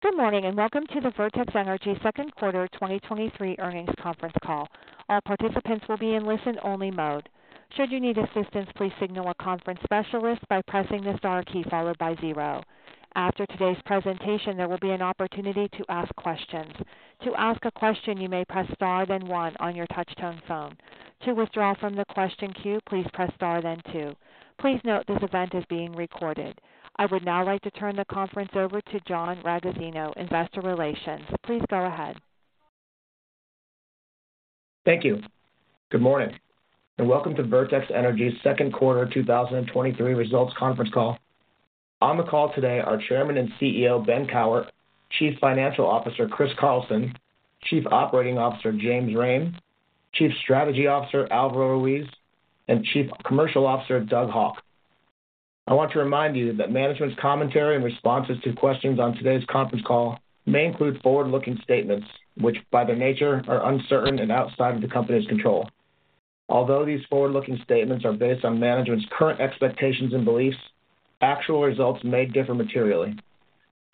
Good morning, welcome to the Vertex Energy Second Quarter 2023 Earnings Conference Call. All participants will be in listen-only mode. Should you need assistance, please signal a conference specialist by pressing the star key followed by zero. After today's presentation, there will be an opportunity to ask questions. To ask a question, you may press Star, then one on your touchtone phone. To withdraw from the question queue, please press Star then two. Please note, this event is being recorded. I would now like to turn the conference over to John Ragozzino, Investor Relations. Please go ahead. Thank you. Good morning, and welcome to Vertex Energy's second quarter 2023 results conference call. On the call today are Chairman and CEO, Ben Cowart, Chief Financial Officer, Chris Carlson, Chief Operating Officer, James Rhame, Chief Strategy Officer, Alvaro Ruiz, and Chief Commercial Officer, Doug Haugh. I want to remind you that management's commentary and responses to questions on today's conference call may include forward-looking statements, which, by their nature, are uncertain and outside of the company's control. Although these forward-looking statements are based on management's current expectations and beliefs, actual results may differ materially.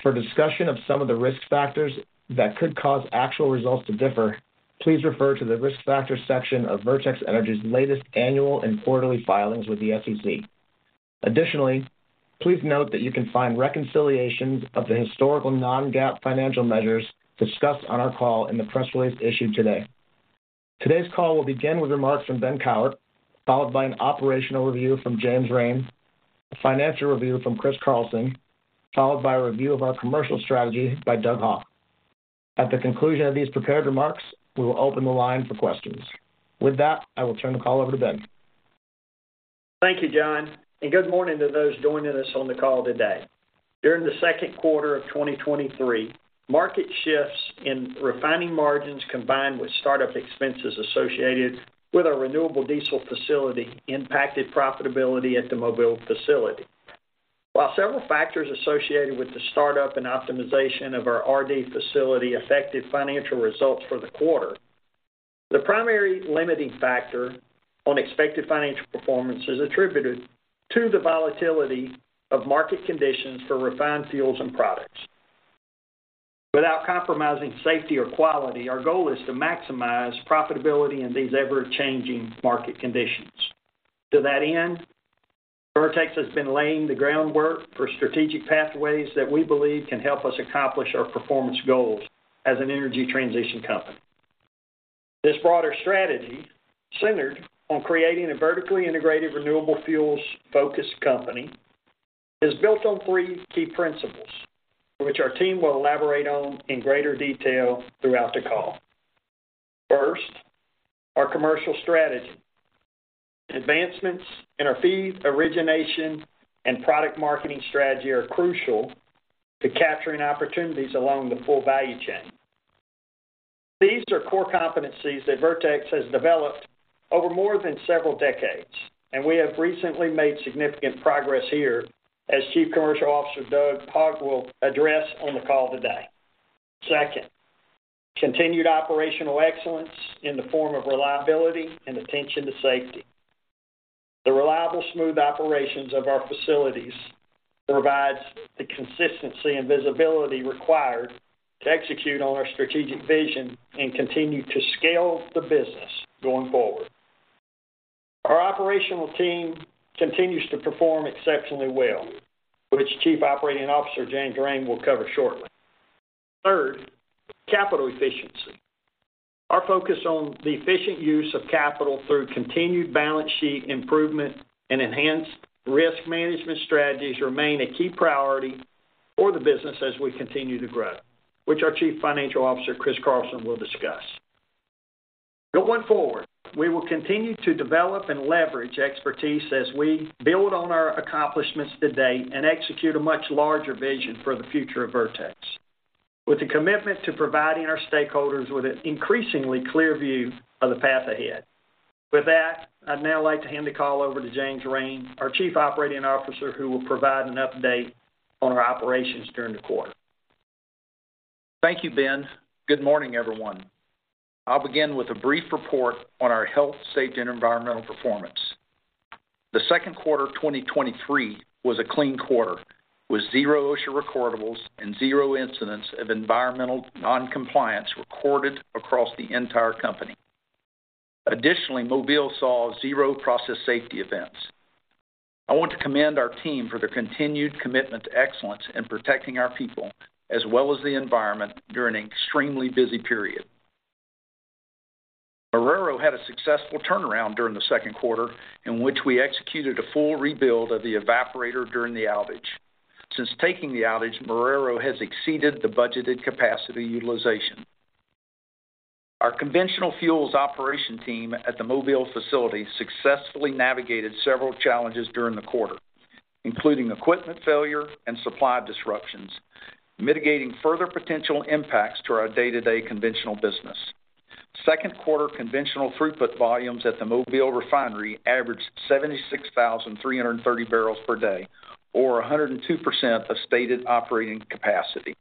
For discussion of some of the risk factors that could cause actual results to differ, please refer to the Risk Factors section of Vertex Energy's latest annual and quarterly filings with the SEC. Additionally, please note that you can find reconciliations of the historical non-GAAP financial measures discussed on our call in the press release issued today. Today's call will begin with remarks from Ben Cowart, followed by an operational review from James Rhame, a financial review from Chris Carlson, followed by a review of our commercial strategy by Doug Haugh. At the conclusion of these prepared remarks, we will open the line for questions. With that, I will turn the call over to Ben. Thank you, John, and good morning to those joining us on the call today. During the second quarter of 2023, market shifts in refining margins, combined with startup expenses associated with our renewable diesel facility, impacted profitability at the Mobile facility. While several factors associated with the startup and optimization of our RD facility affected financial results for the quarter, the primary limiting factor on expected financial performance is attributed to the volatility of market conditions for refined fuels and products. Without compromising safety or quality, our goal is to maximize profitability in these ever-changing market conditions. To that end, Vertex has been laying the groundwork for strategic pathways that we believe can help us accomplish our performance goals as an energy transition company. This broader strategy, centered on creating a vertically integrated, renewable fuels-focused company, is built on three key principles, which our team will elaborate on in greater detail throughout the call. First, our commercial strategy. Advancements in our feed, origination, and product marketing strategy are crucial to capturing opportunities along the full value chain. These are core competencies that Vertex has developed over more than several decades, and we have recently made significant progress here as Chief Commercial Officer Doug Haugh will address on the call today. Second, continued operational excellence in the form of reliability and attention to safety. The reliable, smooth operations of our facilities provides the consistency and visibility required to execute on our strategic vision and continue to scale the business going forward. Our operational team continues to perform exceptionally well, which Chief Operating Officer James Rhame will cover shortly. Third, capital efficiency. Our focus on the efficient use of capital through continued balance sheet improvement and enhanced risk management strategies remain a key priority for the business as we continue to grow, which our Chief Financial Officer, Chris Carlson, will discuss. Going forward, we will continue to develop and leverage expertise as we build on our accomplishments to date and execute a much larger vision for the future of Vertex, with a commitment to providing our stakeholders with an increasingly clear view of the path ahead. With that, I'd now like to hand the call over to James Rhame, our Chief Operating Officer, who will provide an update on our operations during the quarter. Thank you, Ben. Good morning, everyone. I'll begin with a brief report on our health, safety, and environmental performance. The second quarter of 2023 was a clean quarter, with 0 OSHA recordables and 0 incidents of environmental noncompliance recorded across the entire company. Additionally, Mobile saw 0 process safety events. I want to commend our team for their continued commitment to excellence in protecting our people, as well as the environment during an extremely busy period. Marrero had a successful turnaround during the second quarter, in which we executed a full rebuild of the evaporator during the outage. Since taking the outage, Marrero has exceeded the budgeted capacity utilization. Our conventional fuels operation team at the Mobile facility successfully navigated several challenges during the quarter, including equipment failure and supply disruptions, mitigating further potential impacts to our day-to-day conventional business. Second quarter conventional throughput volumes at the Mobile Refinery averaged 76,330 barrels per day, or 102% of stated operating capacity.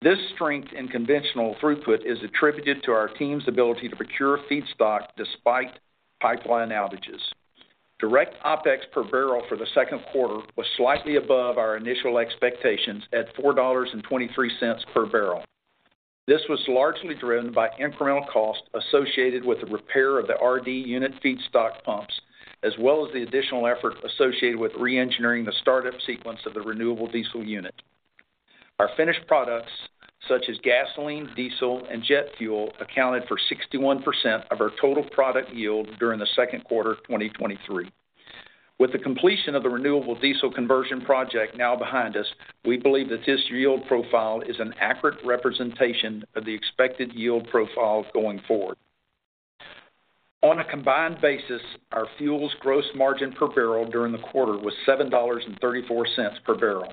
This strength in conventional throughput is attributed to our team's ability to procure feedstock despite pipeline outages. Direct OpEx per barrel for the second quarter was slightly above our initial expectations at $4.23 per barrel. This was largely driven by incremental costs associated with the repair of the RD unit feedstock pumps, as well as the additional effort associated with reengineering the startup sequence of the renewable diesel unit. Our finished products, such as gasoline, diesel, and jet fuel, accounted for 61% of our total product yield during the second quarter of 2023. With the completion of the renewable diesel conversion project now behind us, we believe that this yield profile is an accurate representation of the expected yield profile going forward. On a combined basis, our fuels gross margin per barrel during the quarter was $7.34 per barrel.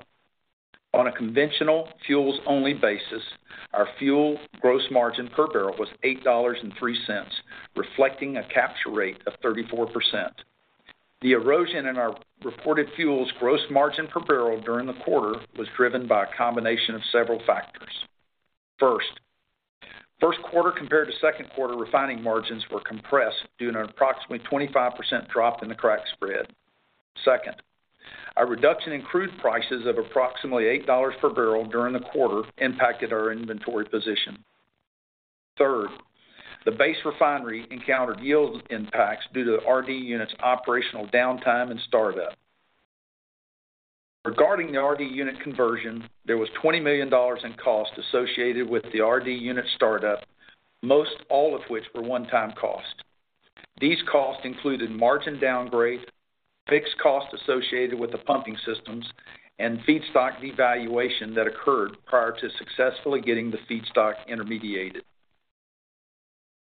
On a conventional fuels-only basis, our fuel gross margin per barrel was $8.03, reflecting a capture rate of 34%. The erosion in our reported fuels gross margin per barrel during the quarter was driven by a combination of several factors. First, first quarter compared to second quarter refining margins were compressed due to an approximately 25% drop in the crack spread. Second, a reduction in crude prices of approximately $8 per barrel during the quarter impacted our inventory position. Third, the base refinery encountered yield impacts due to RD unit's operational downtime and startup. Regarding the RD unit conversion, there was $20 million in costs associated with the RD unit startup, most all of which were one-time costs. These costs included margin downgrade, fixed costs associated with the pumping systems, and feedstock devaluation that occurred prior to successfully getting the feedstock intermediated.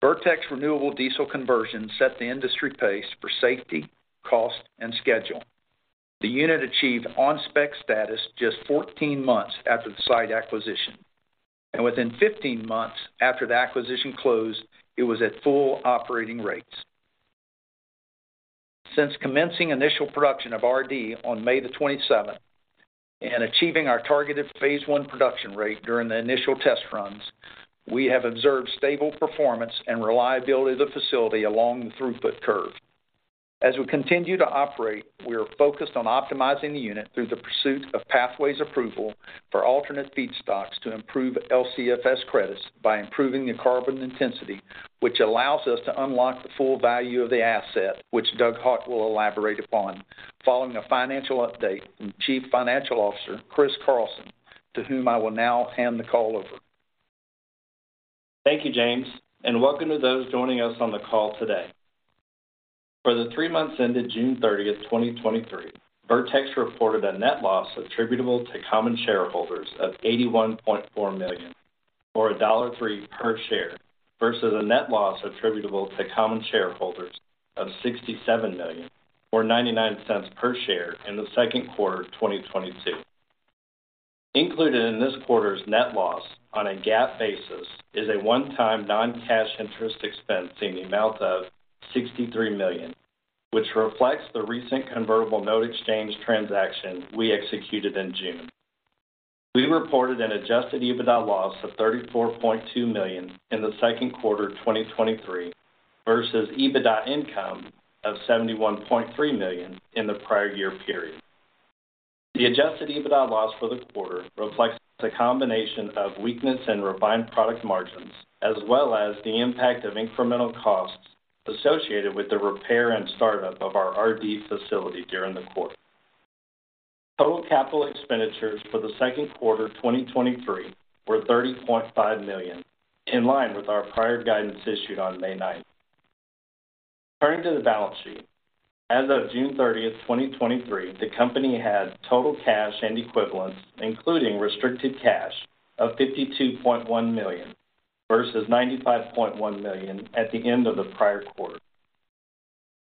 Vertex renewable diesel conversion set the industry pace for safety, cost, and schedule. The unit achieved on-spec status just 14 months after the site acquisition, and within 15 months after the acquisition closed, it was at full operating rates. Since commencing initial production of RD on May 27th and achieving our targeted phase one production rate during the initial test runs, we have observed stable performance and reliability of the facility along the throughput curve. As we continue to operate, we are focused on optimizing the unit through the pursuit of pathway approval for alternate feedstocks to improve LCFS credits by improving the carbon intensity, which allows us to unlock the full value of the asset, which Doug Haugh will elaborate upon following a financial update from Chief Financial Officer, Chris Carlson, to whom I will now hand the call over. Thank you, James. Welcome to those joining us on the call today. For the three months ended June 30th, 2023, Vertex reported a net loss attributable to common shareholders of $81.4 million, or $1.03 per share, versus a net loss attributable to common shareholders of $67 million, or $0.99 per share in the second quarter of 2022. Included in this quarter's net loss on a GAAP basis is a one-time non-cash interest expense in the amount of $63 million, which reflects the recent convertible note exchange transaction we executed in June. We reported an adjusted EBITDA loss of $34.2 million in the second quarter of 2023 versus EBITDA income of $71.3 million in the prior year period. The adjusted EBITDA loss for the quarter reflects a combination of weakness in refined product margins, as well as the impact of incremental costs associated with the repair and startup of our RD facility during the quarter. Total capital expenditures for the second quarter 2023 were $30.5 million, in line with our prior guidance issued on May 9th. Turning to the balance sheet. As of June 30th, 2023, the company had total cash and equivalents, including restricted cash, of $52.1 million versus $95.1 million at the end of the prior quarter.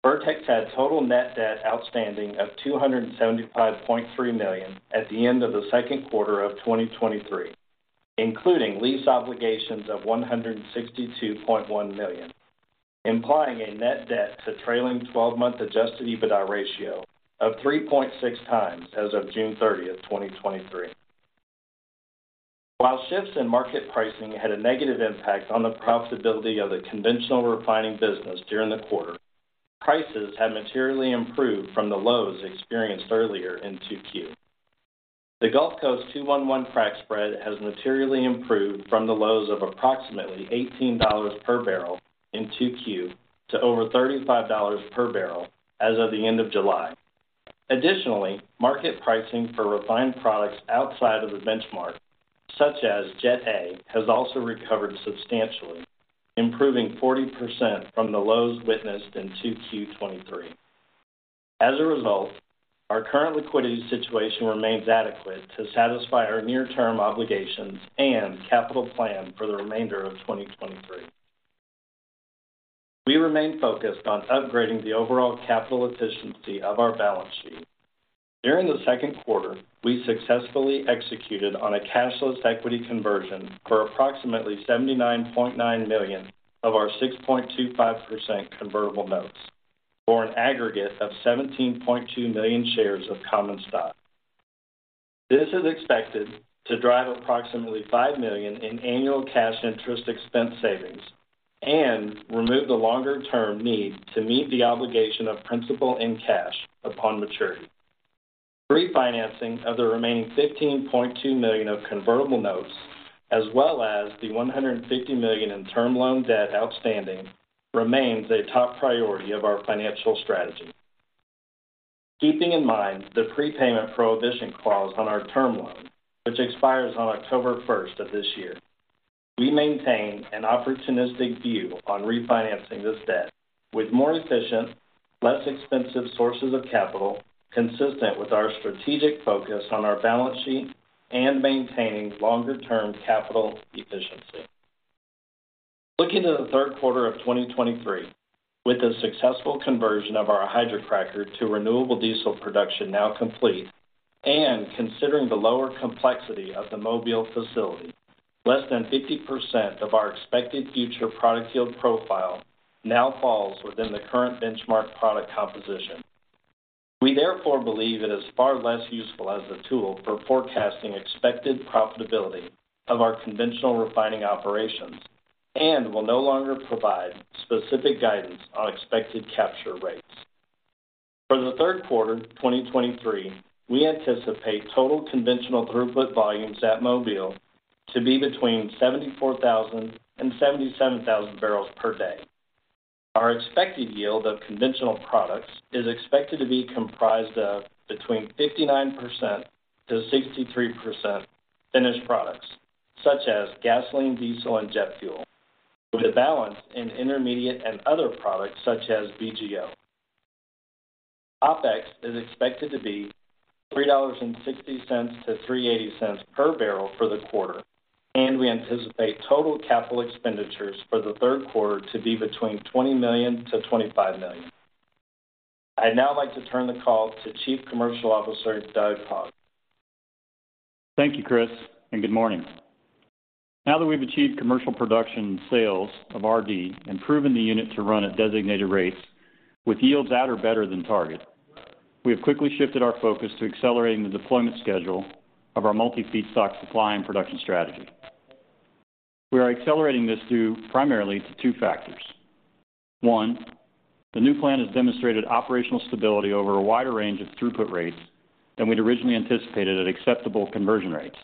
Vertex had total net debt outstanding of $275.3 million at the end of the second quarter of 2023, including lease obligations of $162.1 million, implying a net debt to trailing twelve-month adjusted EBITDA ratio of 3.6 times as of June 30th, 2023. While shifts in market pricing had a negative impact on the profitability of the conventional refining business during the quarter, prices have materially improved from the lows experienced earlier in Q2. The Gulf Coast 2-1-1 crack spread has materially improved from the lows of approximately $18 per barrel in Q2 to over $35 per barrel as of the end of July. Additionally, market pricing for refined products outside of the benchmark, such as Jet A, has also recovered substantially, improving 40% from the lows witnessed in Q2 2023. As a result, our current liquidity situation remains adequate to satisfy our near-term obligations and capital plan for the remainder of 2023. We remain focused on upgrading the overall capital efficiency of our balance sheet. During the second quarter, we successfully executed on a cashless equity conversion for approximately $79.9 million of our 6.25% convertible notes for an aggregate of 17.2 million shares of common stock. This is expected to drive approximately $5 million in annual cash interest expense savings and remove the longer term need to meet the obligation of principal and cash upon maturity. Refinancing of the remaining $15.2 million of convertible notes, as well as the $150 million in term loan debt outstanding, remains a top priority of our financial strategy. Keeping in mind the prepayment prohibition clause on our term loan, which expires on October 1st of this year, we maintain an opportunistic view on refinancing this debt with more efficient, less expensive sources of capital, consistent with our strategic focus on our balance sheet and maintaining longer term capital efficiency. Looking to the third quarter of 2023, with the successful conversion of our hydrocracker to renewable diesel production now complete, and considering the lower complexity of the Mobile facility, less than 50% of our expected future product yield profile now falls within the current benchmark product composition. We therefore believe it is far less useful as a tool for forecasting expected profitability of our conventional refining operations and will no longer provide specific guidance on expected capture rates. For the third quarter of 2023, we anticipate total conventional throughput volumes at Mobile to be between 74,000 and 77,000 barrels per day. Our expected yield of conventional products is expected to be comprised of between 59%-63% finished products, such as gasoline, diesel, and jet fuel, with the balance in intermediate and other products such as VGO. OpEx is expected to be $3.60-$3.80 per barrel for the quarter, and we anticipate total capital expenditures for the third quarter to be between $20 million-$25 million. I'd now like to turn the call to Chief Commercial Officer, Doug Haugh. Thank you, Chris. Good morning. Now that we've achieved commercial production sales of RD and proven the unit to run at designated rates with yields at or better than target, we have quickly shifted our focus to accelerating the deployment schedule of our multi-feedstock supply and production strategy. We are accelerating this due primarily to two factors. One, the new plan has demonstrated operational stability over a wider range of throughput rates than we'd originally anticipated at acceptable conversion rates,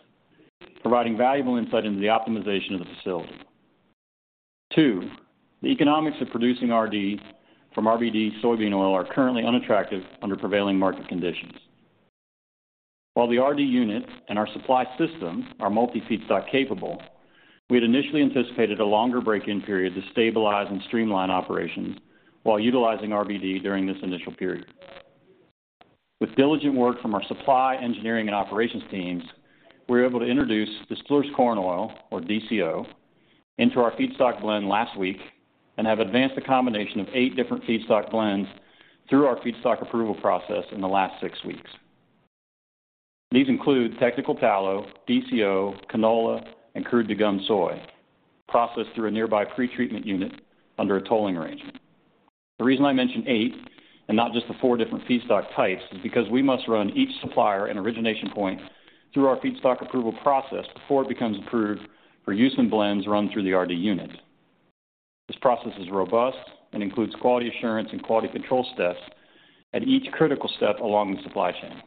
providing valuable insight into the optimization of the facility. Two, the economics of producing RD from RBD soybean oil are currently unattractive under prevailing market conditions. While the RD units and our supply systems are multi-feedstock capable, we had initially anticipated a longer break-in period to stabilize and streamline operations while utilizing RBD during this initial period. With diligent work from our supply, engineering, and operations teams, we were able to introduce distillers corn oil, or DCO, into our feedstock blend last week and have advanced a combination of eight different feedstock blends through our feedstock approval process in the last six weeks. These include technical tallow, DCO, canola, and crude degummed soy, processed through a nearby pretreatment unit under a tolling arrangement. The reason I mentioned eight, and not just the four different feedstock types, is because we must run each supplier and origination point through our feedstock approval process before it becomes approved for use in blends run through the RD unit. This process is robust and includes quality assurance and quality control steps at each critical step along the supply chain.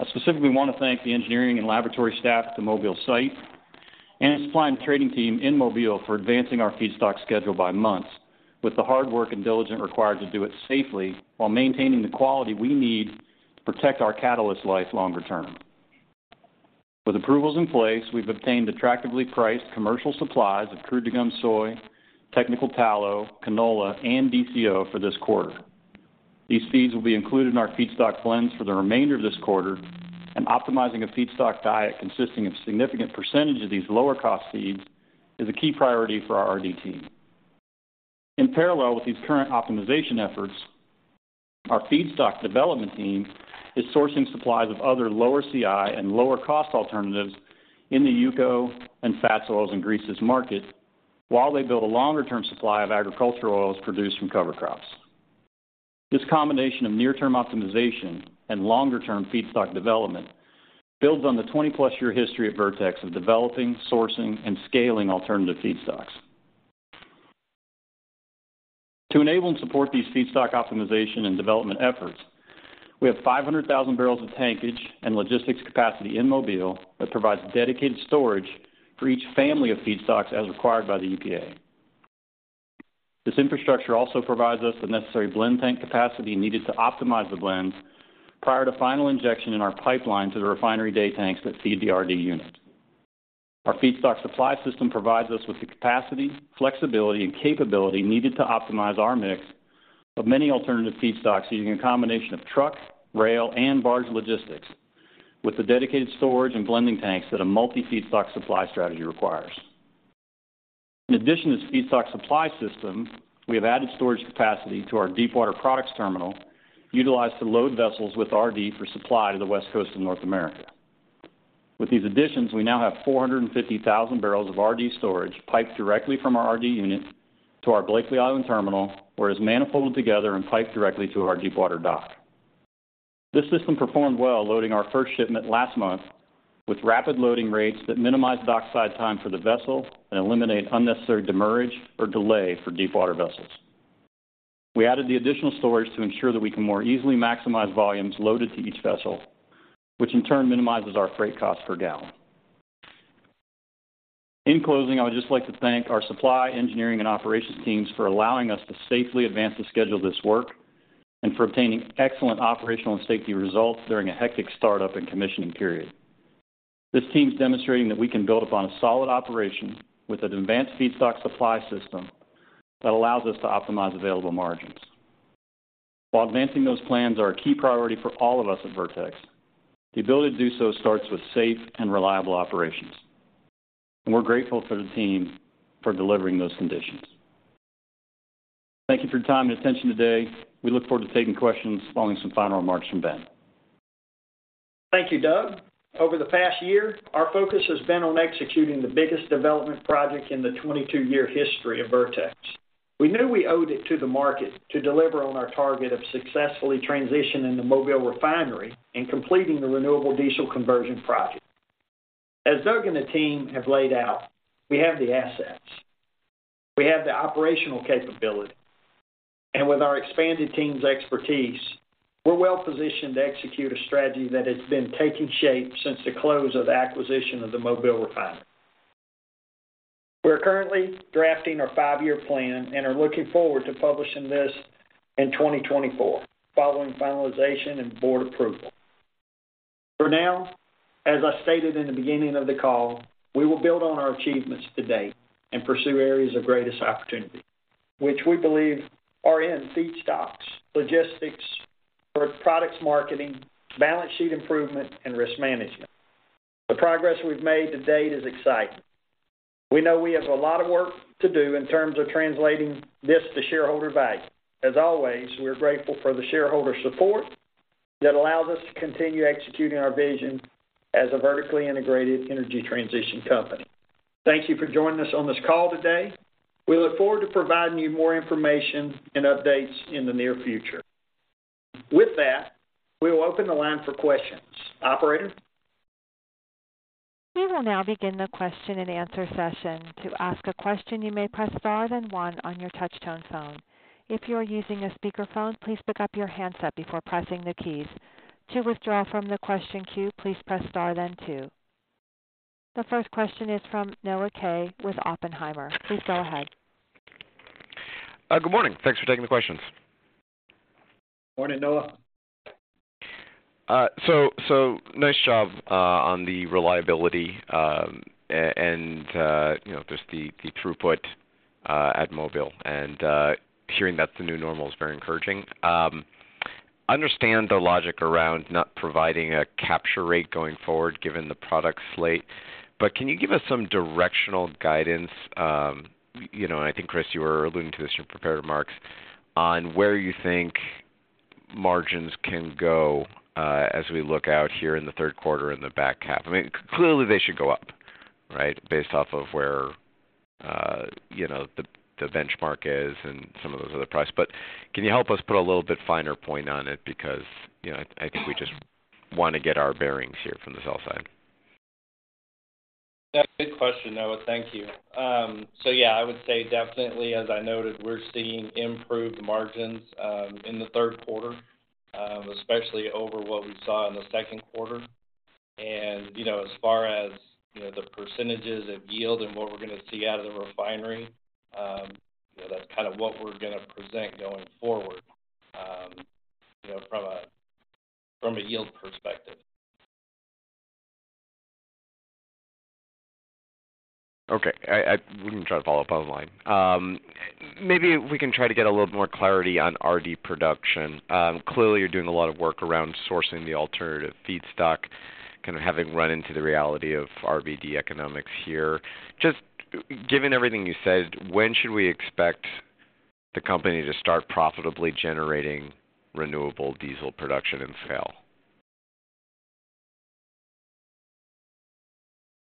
I specifically want to thank the engineering and laboratory staff at the Mobile site and the supply and trading team in Mobile for advancing our feedstock schedule by months with the hard work and diligence required to do it safely while maintaining the quality we need to protect our catalyst life longer term. With approvals in place, we've obtained attractively priced commercial supplies of crude degummed soy, technical tallow, canola, and DCO for this quarter. These feeds will be included in our feedstock blends for the remainder of this quarter, and optimizing a feedstock diet consisting of significant percentage of these lower cost feeds is a key priority for our RD team. In parallel with these current optimization efforts, our feedstock development team is sourcing supplies of other lower CI and lower cost alternatives in the UCO and fats, oils, and greases market while they build a longer term supply of agricultural oils produced from cover crops. This combination of near term optimization and longer term feedstock development builds on the 20-plus year history of Vertex of developing, sourcing, and scaling alternative feedstocks. To enable and support these feedstock optimization and development efforts, we have 500,000 barrels of tankage and logistics capacity in Mobile that provides dedicated storage for each family of feedstocks as required by the EPA. This infrastructure also provides us the necessary blend tank capacity needed to optimize the blends prior to final injection in our pipeline to the refinery day tanks that feed the RD unit. Our feedstock supply system provides us with the capacity, flexibility, and capability needed to optimize our mix of many alternative feedstocks, using a combination of truck, rail, and barge logistics, with the dedicated storage and blending tanks that a multi-feedstock supply strategy requires. In addition to the feedstock supply system, we have added storage capacity to our deepwater products terminal, utilized to load vessels with RD for supply to the West Coast of North America. With these additions, we now have 450,000 barrels of RD storage piped directly from our RD unit to our Blakely Island terminal, where it's manifolded together and piped directly to our deepwater dock. This system performed well, loading our first shipment last month, with rapid loading rates that minimize dockside time for the vessel and eliminate unnecessary demurrage or delay for deepwater vessels. We added the additional storage to ensure that we can more easily maximize volumes loaded to each vessel, which in turn minimizes our freight cost per gallon. In closing, I would just like to thank our supply, engineering, and operations teams for allowing us to safely advance the schedule of this work and for obtaining excellent operational and safety results during a hectic startup and commissioning period. This team's demonstrating that we can build upon a solid operation with an advanced feedstock supply system that allows us to optimize available margins. While advancing those plans are a key priority for all of us at Vertex, the ability to do so starts with safe and reliable operations, and we're grateful for the team for delivering those conditions. Thank you for your time and attention today. We look forward to taking questions following some final remarks from Ben. Thank you, Doug. Over the past year, our focus has been on executing the biggest development project in the 22-year history of Vertex. We knew we owed it to the market to deliver on our target of successfully transitioning the Mobile Refinery and completing the renewable diesel conversion project. As Doug and the team have laid out, we have the assets, we have the operational capability, and with our expanded team's expertise, we're well positioned to execute a strategy that has been taking shape since the close of the acquisition of the Mobile Refinery. We are currently drafting our five-year plan and are looking forward to publishing this in 2024, following finalization and board approval. For now, as I stated in the beginning of the call, we will build on our achievements to date and pursue areas of greatest opportunity, which we believe are in feedstocks, logistics, product marketing, balance sheet improvement, and risk management. The progress we've made to date is exciting. We know we have a lot of work to do in terms of translating this to shareholder value. As always, we're grateful for the shareholder support that allows us to continue executing our vision as a vertically integrated energy transition company. Thank you for joining us on this call today. We look forward to providing you more information and updates in the near future. With that, we will open the line for questions. Operator? We will now begin the question-and-answer session. To ask a question, you may press star, then one on your touch-tone phone. If you are using a speakerphone, please pick up your handset before pressing the keys. To withdraw from the question queue, please press star then two. The 1st question is from Noah Kaye with Oppenheimer. Please go ahead. Good morning. Thanks for taking the questions. Morning, Noah. Nice job on the reliability, and, you know, just the throughput at Mobile and hearing that the new normal is very encouraging. Understand the logic around not providing a capture rate going forward, given the product slate. Can you give us some directional guidance, you know, and I think, Chris, you were alluding to this in your prepared remarks on where you think margins can go as we look out here in the third quarter and the back half? I mean, clearly, they should go up, right, based off of where, you know, the benchmark is and some of those other prices. Can you help us put a little bit finer point on it? Because, you know, I think we just want to get our bearings here from the sell side. Yeah, good question, Noah. Thank you. Yeah, I would say definitely, as I noted, we're seeing improved margins in the third quarter, especially over what we saw in the second quarter. You know, as far as, you know, the percentages of yield and what we're gonna see out of the refinery, you know, that's kind of what we're gonna present going forward, you know, from a, from a yield perspective. Okay. I, I, let me try to follow up online. Maybe we can try to get a little more clarity on RD production. Clearly, you're doing a lot of work around sourcing the alternative feedstock, kind of having run into the reality of RBD economics here. Just given everything you said, when should we expect the company to start profitably generating renewable diesel production and sale?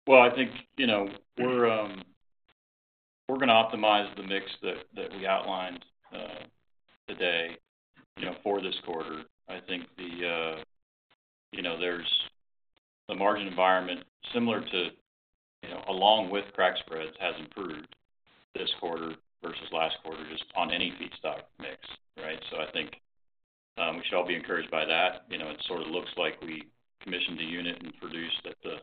Well, I think, you know, we're, we're gonna optimize the mix that, that we outlined today, you know, for this quarter. I think the, you know, there's the margin environment similar to, you know, along with crack spreads, has improved this quarter versus last quarter, just on any feedstock mix, right. I think, we should all be encouraged by that. You know, it sort of looks like we commissioned a unit and produced at the,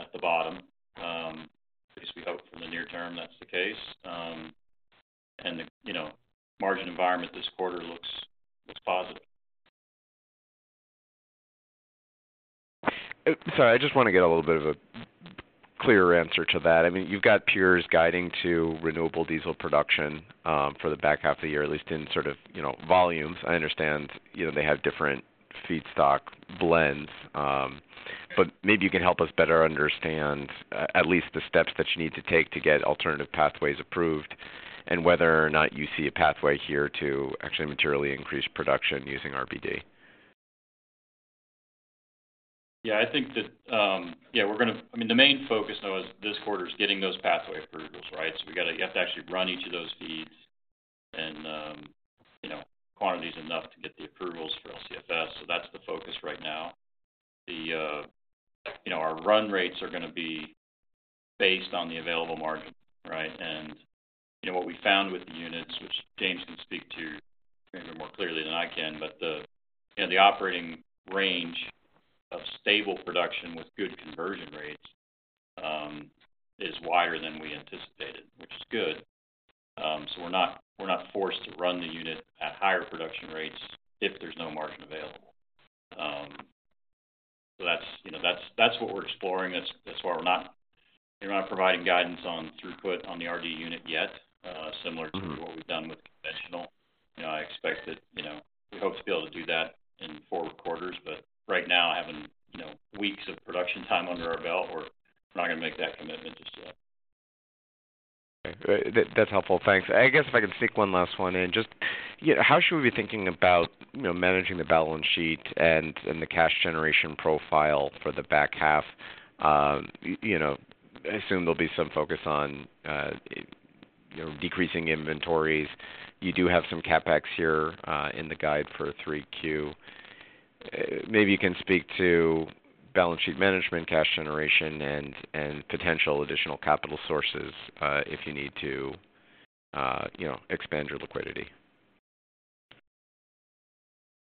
at the bottom. At least we hope for the near term, that's the case. And the, you know, margin environment this quarter looks, looks positive. Sorry, I just want to get a little bit of a clearer answer to that. I mean, you've got peers guiding to renewable diesel production, for the back half of the year, at least in sort of, you know, volumes. I understand, you know, they have different feedstock blends, but maybe you can help us better understand at least the steps that you need to take to get alternative pathways approved and whether or not you see a pathway here to actually materially increase production using RBD. Yeah, I think that, yeah, we're gonna-- I mean, the main focus, though, is this quarter is getting those pathway approvals, right? We gotta, you have to actually run each of those feeds and, you know, quantities enough to get the approvals for LCFS. That's the focus right now. The, you know, our run rates are gonna be based on the available margin, right? And, you know, what we found with the units, which James can speak to maybe more clearly than I can, but the, you know, the operating range of stable production with good conversion rates, is wider than we anticipated, which is good. We're not, we're not forced to run the unit at higher production rates if there's no margin available. That's, you know, that's, that's what we're exploring. That's, that's why we're not providing guidance on throughput on the RD unit yet, similar-. Mm-hmm to what we've done with conventional. You know, I expect that, you know, we hope to be able to do that in four quarters, but right now, having, you know, weeks of production time under our belt, we're, we're not gonna make that commitment just yet. Okay. That, that's helpful. Thanks. I guess if I can sneak one last one in. Just, you know, how should we be thinking about, you know, managing the balance sheet and, and the cash generation profile for the back half? You, you know, I assume there'll be some focus on, you know, decreasing inventories. You do have some CapEx here, in the guide for Q3. Maybe you can speak to balance sheet management, cash generation, and, and potential additional capital sources, if you need to, you know, expand your liquidity.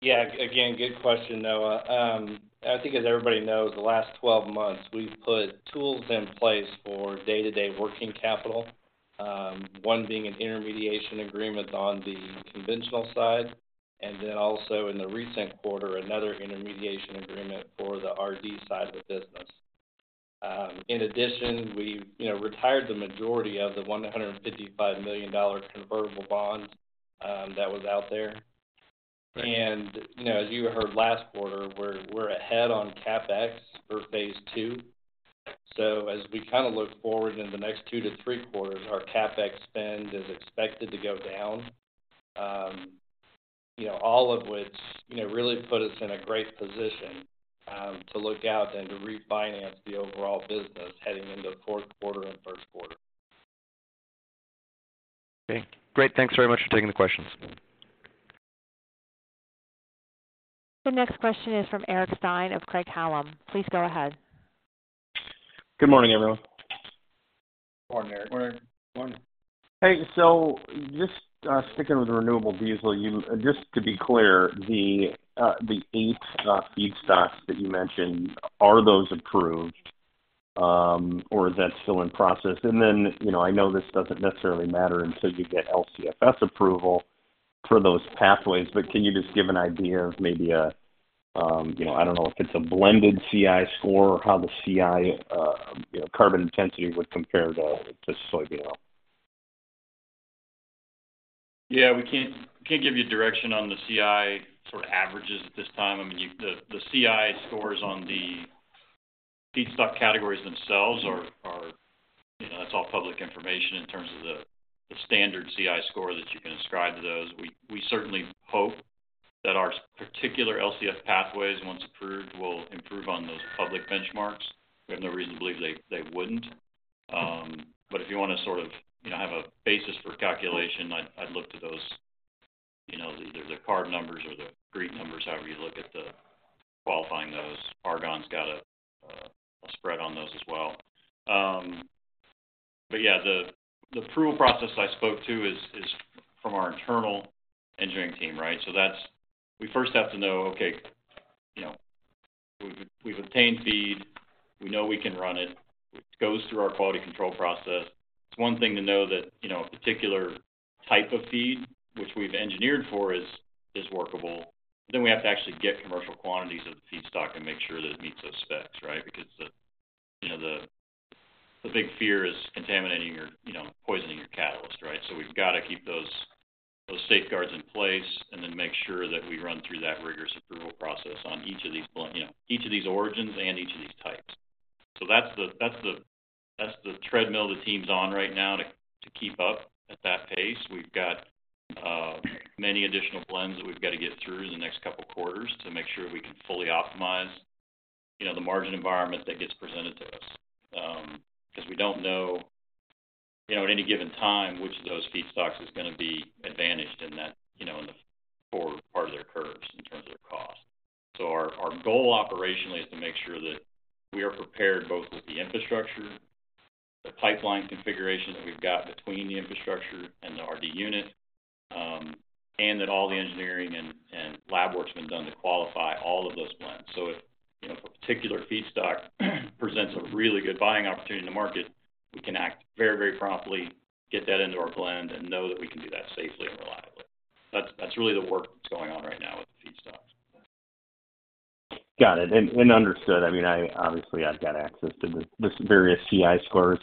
Yeah. Again, good question, Noah. I think as everybody knows, the last 12 months, we've put tools in place for day-to-day working capital. One being an intermediation agreement on the conventional side, and then also in the recent quarter, another intermediation agreement for the RD side of the business. In addition, we, you know, retired the majority of the $155 million convertible bond that was out there. You know, as you heard last quarter, we're, we're ahead on CapEx for phase two. As we kind of look forward in the next two-three quarters, our CapEx spend is expected to go down, you know, all of which, you know, really put us in a great position to look out and to refinance the overall business heading into fourth quarter and first quarter. Okay, great. Thanks very much for taking the questions. The next question is from Eric Stine of Craig-Hallum. Please go ahead. Good morning, everyone. Morning, Eric. Morning. Morning. Hey, just sticking with the renewable diesel, just to be clear, the eight feedstocks that you mentioned, are those approved or is that still in process? Then, you know, I know this doesn't necessarily matter until you get LCFS approval for those pathways, but can you just give an idea of maybe a, you know, I don't know if it's a blended CI score or how the CI, you know, carbon intensity would compare to, to soybean oil? Yeah, we can't, we can't give you direction on the CI sort of averages at this time. I mean, the, the CI scores on the feedstock categories themselves are, are, you know, that's all public information in terms of the, the standard CI score that you can ascribe to those. We, we certainly hope that our particular LCF pathways, once approved, will improve on those public benchmarks. We have no reason to believe they, they wouldn't. If you wanna sort of, you know, have a basis for calculation, I'd, I'd look to those, you know, the CARB numbers or the GREET numbers, however you look at the qualifying those. Argonne's got a, a spread on those as well. Yeah, the, the approval process I spoke to is, is from our internal engineering team, right? So that's... We first have to know, okay, you know, we've, we've obtained feed, we know we can run it, it goes through our quality control process. It's one thing to know that, you know, a particular type of feed, which we've engineered for, is, is workable. We have to actually get commercial quantities of the feedstock and make sure that it meets those specs, right? Because the, you know, the, the big fear is contaminating your, you know, poisoning your catalyst, right? We've got to keep those, those safeguards in place and then make sure that we run through that rigorous approval process on each of these blend, you know, each of these origins and each of these types. That's the, that's the, that's the treadmill the team's on right now to, to keep up at that pace. We've got many additional blends that we've got to get through in the next couple of quarters to make sure we can fully optimize, you know, the margin environment that gets presented to us. Because we don't know, you know, at any given time, which of those feedstocks is gonna be advantaged in that, you know, in the forward part of their curves in terms of their cost. Our, our goal operationally is to make sure that we are prepared both with the infrastructure, the pipeline configuration that we've got between the infrastructure and the RD unit, and that all the engineering and, and lab work's been done to qualify all of those blends. If, you know, a particular feedstock presents a really good buying opportunity in the market, we can act very, very promptly, get that into our blend, and know that we can do that safely and reliably. That's, that's really the work that's going on right now with the feedstocks. Got it. Understood. I mean, obviously, I've got access to the various CI scores.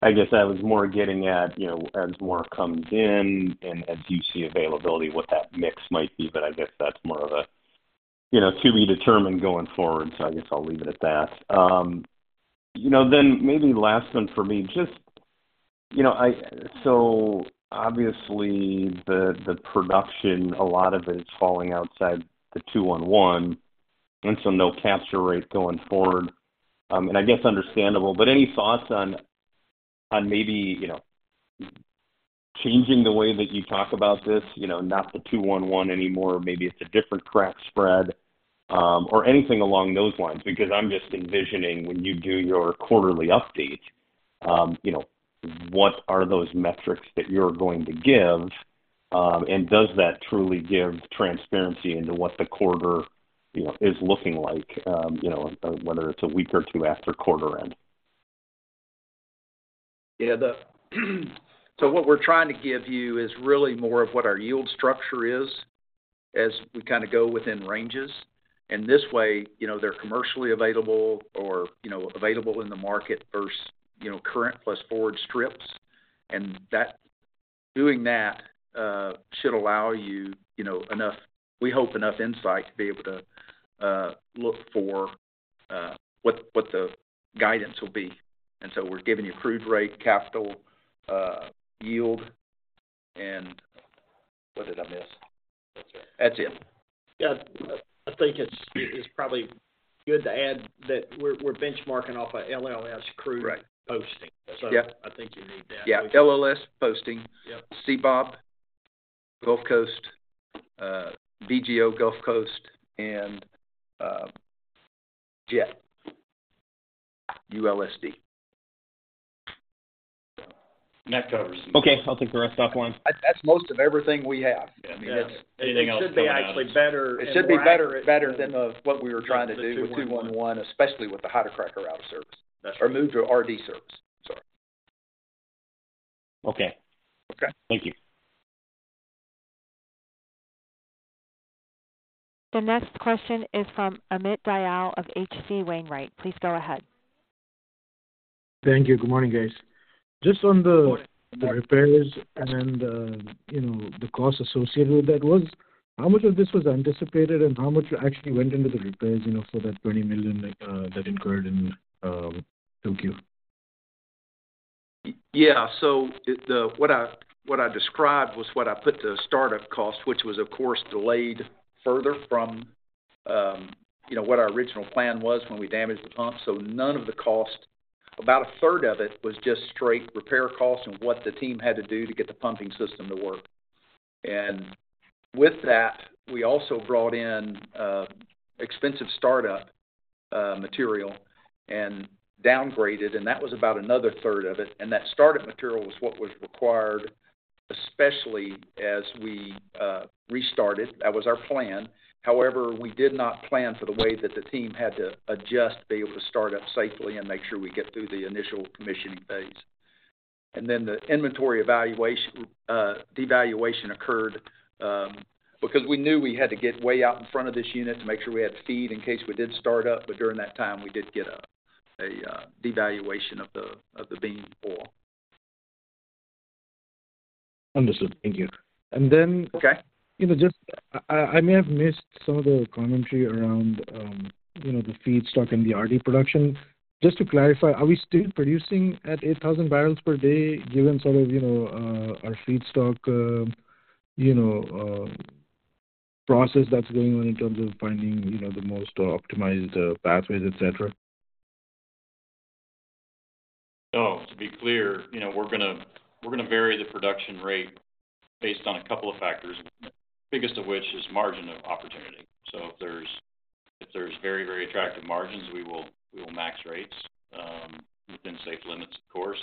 I guess I was more getting at, you know, as more comes in and as you see availability, what that mix might be, but I guess that's more of a, you know, to be determined going forward. I guess I'll leave it at that. You know, maybe last one for me. You know, obviously, the production, a lot of it is falling outside the 2-1-1, and so no capture rate going forward. I guess understandable, but any thoughts on maybe, you know, changing the way that you talk about this, you know, not the 2-1-1 anymore, maybe it's a different crack spread, or anything along those lines. Because I'm just envisioning when you do your quarterly update, you know, what are those metrics that you're going to give? Does that truly give transparency into what the quarter, you know, is looking like, you know, whether it's a week or two after quarter end? Yeah, what we're trying to give you is really more of what our yield structure is as we kinda go within ranges. This way, you know, they're commercially available or, you know, available in the market versus, you know, current plus forward strips. Doing that should allow you, you know, enough, we hope, enough insight to be able to look for what the, what the guidance will be. We're giving you crude rate, capital, yield, and what did I miss? That's it. That's it. Yeah, I think it's, it's probably good to add that we're, we're benchmarking off a LLS crude. Right. -posting. Yeah. I think you need that. Yeah. LLS posting. Yeah. CBOB, Gulf Coast, VGO Gulf Coast, and, jet, ULSD. That covers it. Okay, I'll take the rest offline. That's, that's most of everything we have. Yeah. I mean. Anything else coming out... It should be actually better- It should be better- Better than of what we were trying to do with 2-1-1, especially with the hydrocracker out of service. That's right. Moved to RD service. Sorry. Okay. Okay. Thank you. The next question is from Amit Dayal of H.C. Wainwright. Please go ahead. Thank you. Good morning, guys. Just on the, the repairs and the, you know, the cost associated with that was, how much of this was anticipated and how much actually went into the repairs, you know, for that $20 million that incurred in Q2? What I described was what I put to start-up cost, which was of course, delayed further from, you know, what our original plan was when we damaged the pump. None of the cost. About a third of it was just straight repair costs and what the team had to do to get the pumping system to work. With that, we also brought in expensive start-up material and downgraded, and that was about another third of it. That start-up material was what was required, especially as we restarted. That was our plan. However, we did not plan for the way that the team had to adjust to be able to start up safely and make sure we get through the initial commissioning phase. Then the inventory evaluation devaluation occurred because we knew we had to get way out in front of this unit to make sure we had feed in case we did start up. During that time, we did get a devaluation of the of the bean oil. Understood. Thank you. then- Okay. You know, just I, I, I may have missed some of the commentary around, you know, the feedstock and the RD production. Just to clarify, are we still producing at 8,000 barrels per day, given sort of, you know, our feedstock, you know, process that's going on in terms of finding, you know, the most optimized pathways, et cetera? To be clear, you know, we're gonna, we're gonna vary the production rate based on a couple of factors, biggest of which is margin of opportunity. If there's, if there's very, very attractive margins, we will, we will max rates within safe limits, of course.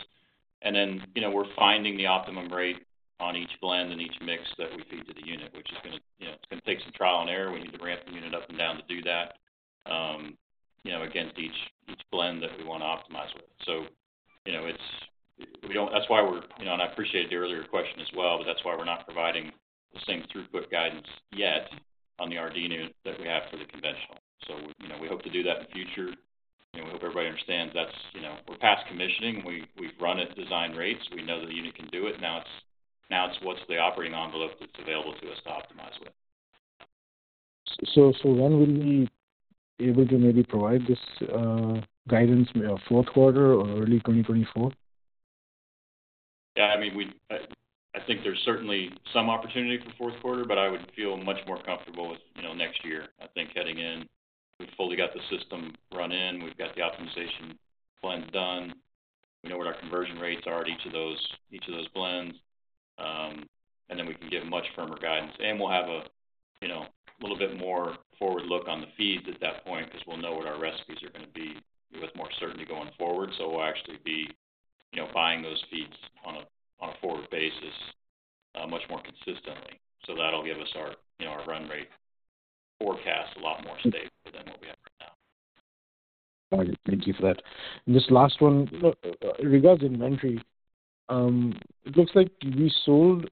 Then, you know, we're finding the optimum rate on each blend and each mix that we feed to the unit, which is gonna, you know, it's gonna take some trial and error. We need to ramp the unit up and down to do that, you know, against each, each blend that we wanna optimize with. That's why we're, you know, and I appreciate the earlier question as well, but that's why we're not providing the same throughput guidance yet on the RD unit that we have for the conventional. You know, we hope to do that in the future. You know, we hope everybody understands that's, you know, we're past commissioning. We've run at design rates. We know the unit can do it. Now it's what's the operating envelope that's available to us to optimize with. When will we be able to maybe provide this guidance, fourth quarter or early 2024? Yeah, I mean, we, I think there's certainly some opportunity for fourth quarter, but I would feel much more comfortable with, you know, next year. I think heading in, we've fully got the system run in, we've got the optimization blend done, we know what our conversion rates are at each of those, each of those blends, and then we can give much firmer guidance. We'll have a, you know, little bit more forward look on the feeds at that point, because we'll know what our recipes are gonna be with more certainty going forward. We'll actually be, you know, buying those feeds on a, on a forward basis, much more consistently. That'll give us our, you know, our run rate forecast a lot more stable than what we have right now. All right. Thank you for that. Just last one, regards inventory. It looks like you sold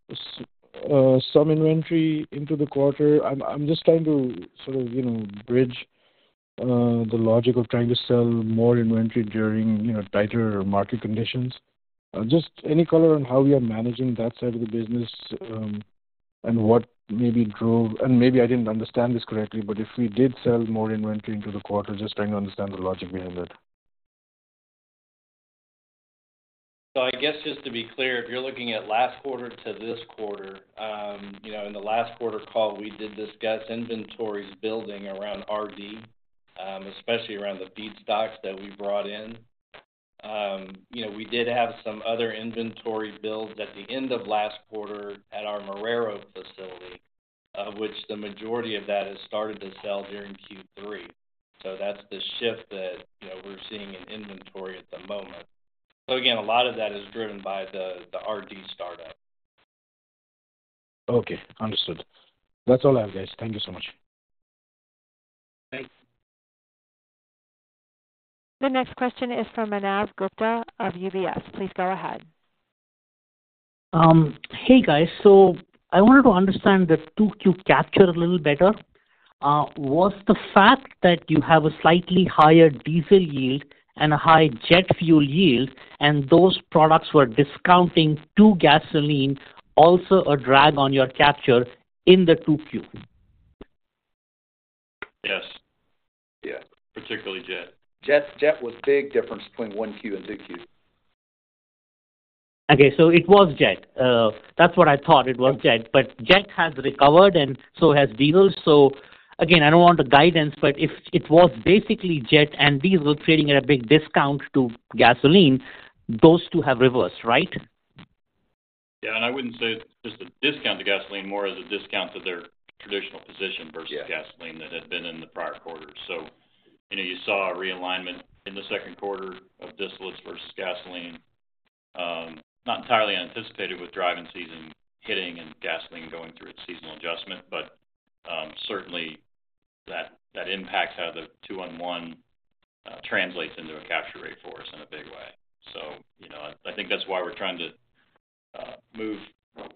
some inventory into the quarter. I'm just trying to sort of, you know, bridge the logic of trying to sell more inventory during, you know, tighter market conditions. Just any color on how we are managing that side of the business? What maybe drove, and maybe I didn't understand this correctly, but if we did sell more inventory into the quarter, just trying to understand the logic behind that? I guess just to be clear, if you're looking at last quarter to this quarter, you know, in the last quarter call, we did discuss inventories building around RD, especially around the feedstocks that we brought in. You know, we did have some other inventory builds at the end of last quarter at our Marrero facility, of which the majority of that has started to sell during Q3. That's the shift that, you know, we're seeing in inventory at the moment. Again, a lot of that is driven by the, the RD startup. Okay, understood. That's all I have, guys. Thank you so much. Thanks. The next question is from Manav Gupta of UBS. Please go ahead. Hey, guys. I wanted to understand the Q2 capture a little better. Was the fact that you have a slightly higher diesel yield and a high jet fuel yield, and those products were discounting to gasoline also a drag on your capture in the Q2? Yes. Yes. Particularly jet. Jet, jet was a big difference between Q1 and Q2. Okay, it was Jet. That's what I thought it was Jet. Jet has recovered and so has diesel. Again, I don't want the guidance, but if it was basically Jet and diesel trading at a big discount to gasoline, those two have reversed, right? Yeah, I wouldn't say it's just a discount to gasoline, more as a discount to their traditional position... Yeah versus gasoline that had been in the prior quarter. You know, you saw a realignment in the second quarter of distillates versus gasoline, not entirely anticipated with driving season hitting and gasoline going through its seasonal adjustment. Certainly, that, that impacts how the 2-1-1 translates into a capture rate for us in a big way. You know, I, I think that's why we're trying to move,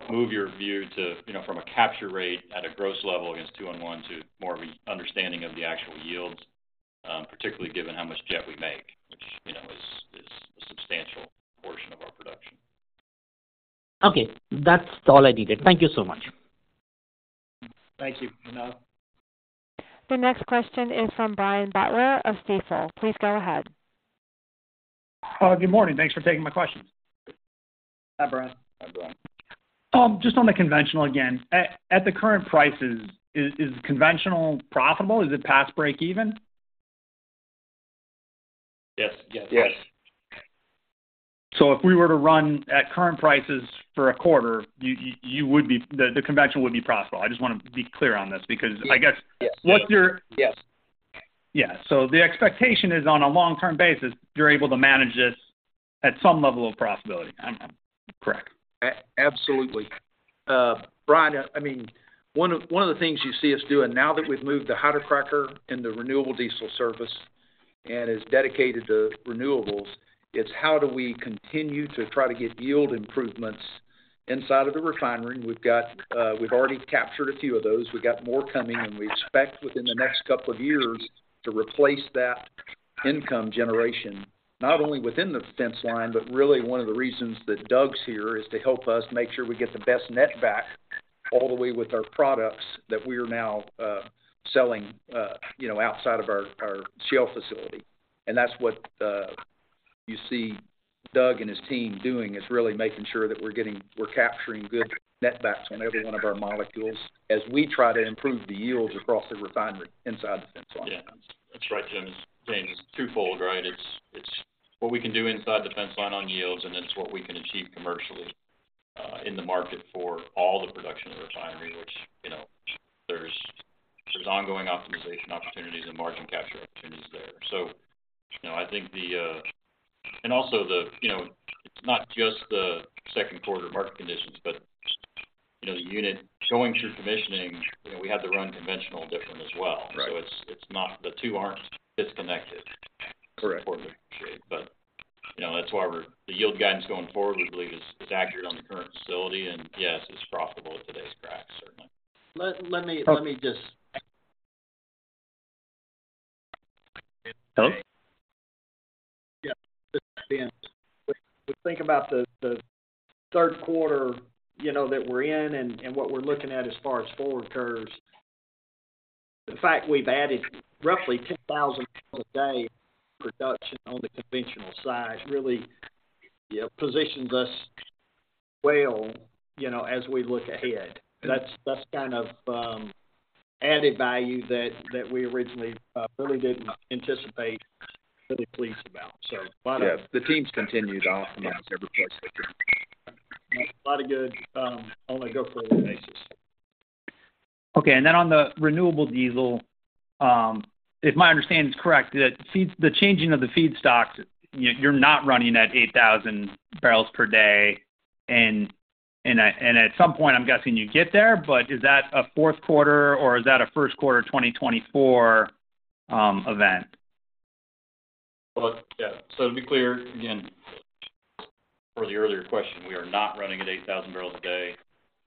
move your view to, you know, from a capture rate at a gross level against 2-1-1 to more of an understanding of the actual yields, particularly given how much jet we make, which, you know, is, is a substantial portion of our production. Okay. That's all I needed. Thank you so much. Thank you, Manav. The next question is from Brian Butler of Stifel. Please go ahead. Good morning. Thanks for taking my questions. Hi, Brian. Hi, Brian. Just on the conventional again. At the current prices, is conventional profitable? Is it past break even? Yes. Yes. Yes. If we were to run at current prices for a quarter, you would be, the conventional would be profitable. I just want to be clear on this because. Yes. I guess. Yes. What's your- Yes. Yeah, so the expectation is on a long-term basis, you're able to manage this at some level of profitability? I don't know. Correct. Absolutely. Brian, I mean, one of, one of the things you see us doing now that we've moved the hydrocracker into renewable diesel service and is dedicated to renewables, is how do we continue to try to get yield improvements inside of the refinery? We've already captured a few of those. We've got more coming, and we expect within the next couple of years to replace that income generation, not only within the fence line, but really one of the reasons that Doug's here is to help us make sure we get the best net back all the way with our products that we are now, selling, you know, outside of our, our Shell facility. That's what you see Doug and his team doing, is really making sure that we're capturing good net backs on every one of our molecules as we try to improve the yields across the refinery inside the fence line. Yeah. That's right, Jim. Things twofold, right? It's, it's what we can do inside the fence line on yields, and it's what we can achieve commercially, in the market for all the production of the refinery, which, you know, there's, there's ongoing optimization opportunities and margin capture opportunities there. You know, I think the. Also the, you know, it's not just the second quarter market conditions, but, you know, the unit going through commissioning, you know, we had to run conventional different as well. Right. The two aren't disconnected. Correct For quarter. You know, that's why the yield guidance going forward, we believe, is accurate on the current facility, and yes, it's profitable at today's crack, certainly. Let me- Okay. Let me just- Hello? Yeah. We think about the, the third quarter, you know, that we're in and, and what we're looking at as far as forward curves. The fact we've added roughly 10,000 pounds a day production on the conventional side really, you know, positions us well, you know, as we look ahead. That's, that's kind of added value that, that we originally really didn't anticipate, really pleased about. Yeah, the teams continue to optimize every place they can. A lot of good, on a go-forward basis. Okay. Then on the renewable diesel, if my understanding is correct, that the changing of the feedstocks, you, you're not running at 8,000 barrels per day, and at some point, I'm guessing you get there, but is that a fourth quarter, or is that a first quarter 2024 event? Well, yeah. To be clear, again, for the earlier question, we are not running at 8,000 barrels a day,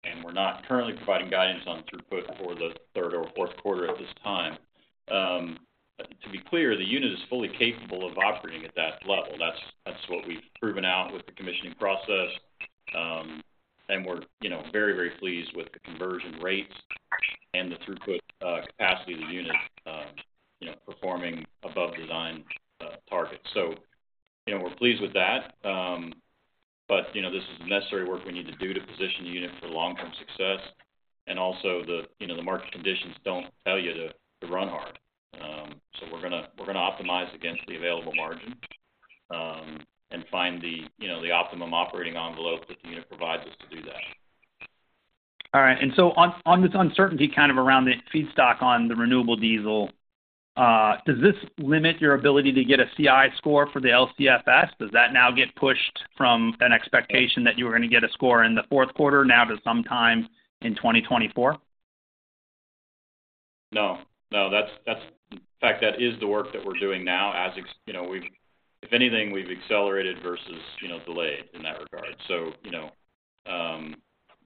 and we're not currently providing guidance on throughput for the third or fourth quarter at this time. To be clear, the unit is fully capable of operating at that level. That's, that's what we've proven out with the commissioning process. And we're, you know, very, very pleased with the conversion rates and the throughput capacity of the unit, you know, performing above design targets. You know, we're pleased with that. But, you know, this is necessary work we need to do to position the unit for long-term success. Also the, you know, the market conditions don't tell you to, to run hard. We're gonna, we're gonna optimize against the available margin, and find the, you know, the optimum operating envelope that the unit provides us to do that. All right. So on, on this uncertainty kind of around the feedstock on the renewable diesel, does this limit your ability to get a CI score for the LCFS? Does that now get pushed from an expectation that you were gonna get a score in the fourth quarter now to sometime in 2024? No, no. That's, that's, in fact, that is the work that we're doing now. You know, if anything, we've accelerated versus, you know, delayed in that regard. You know,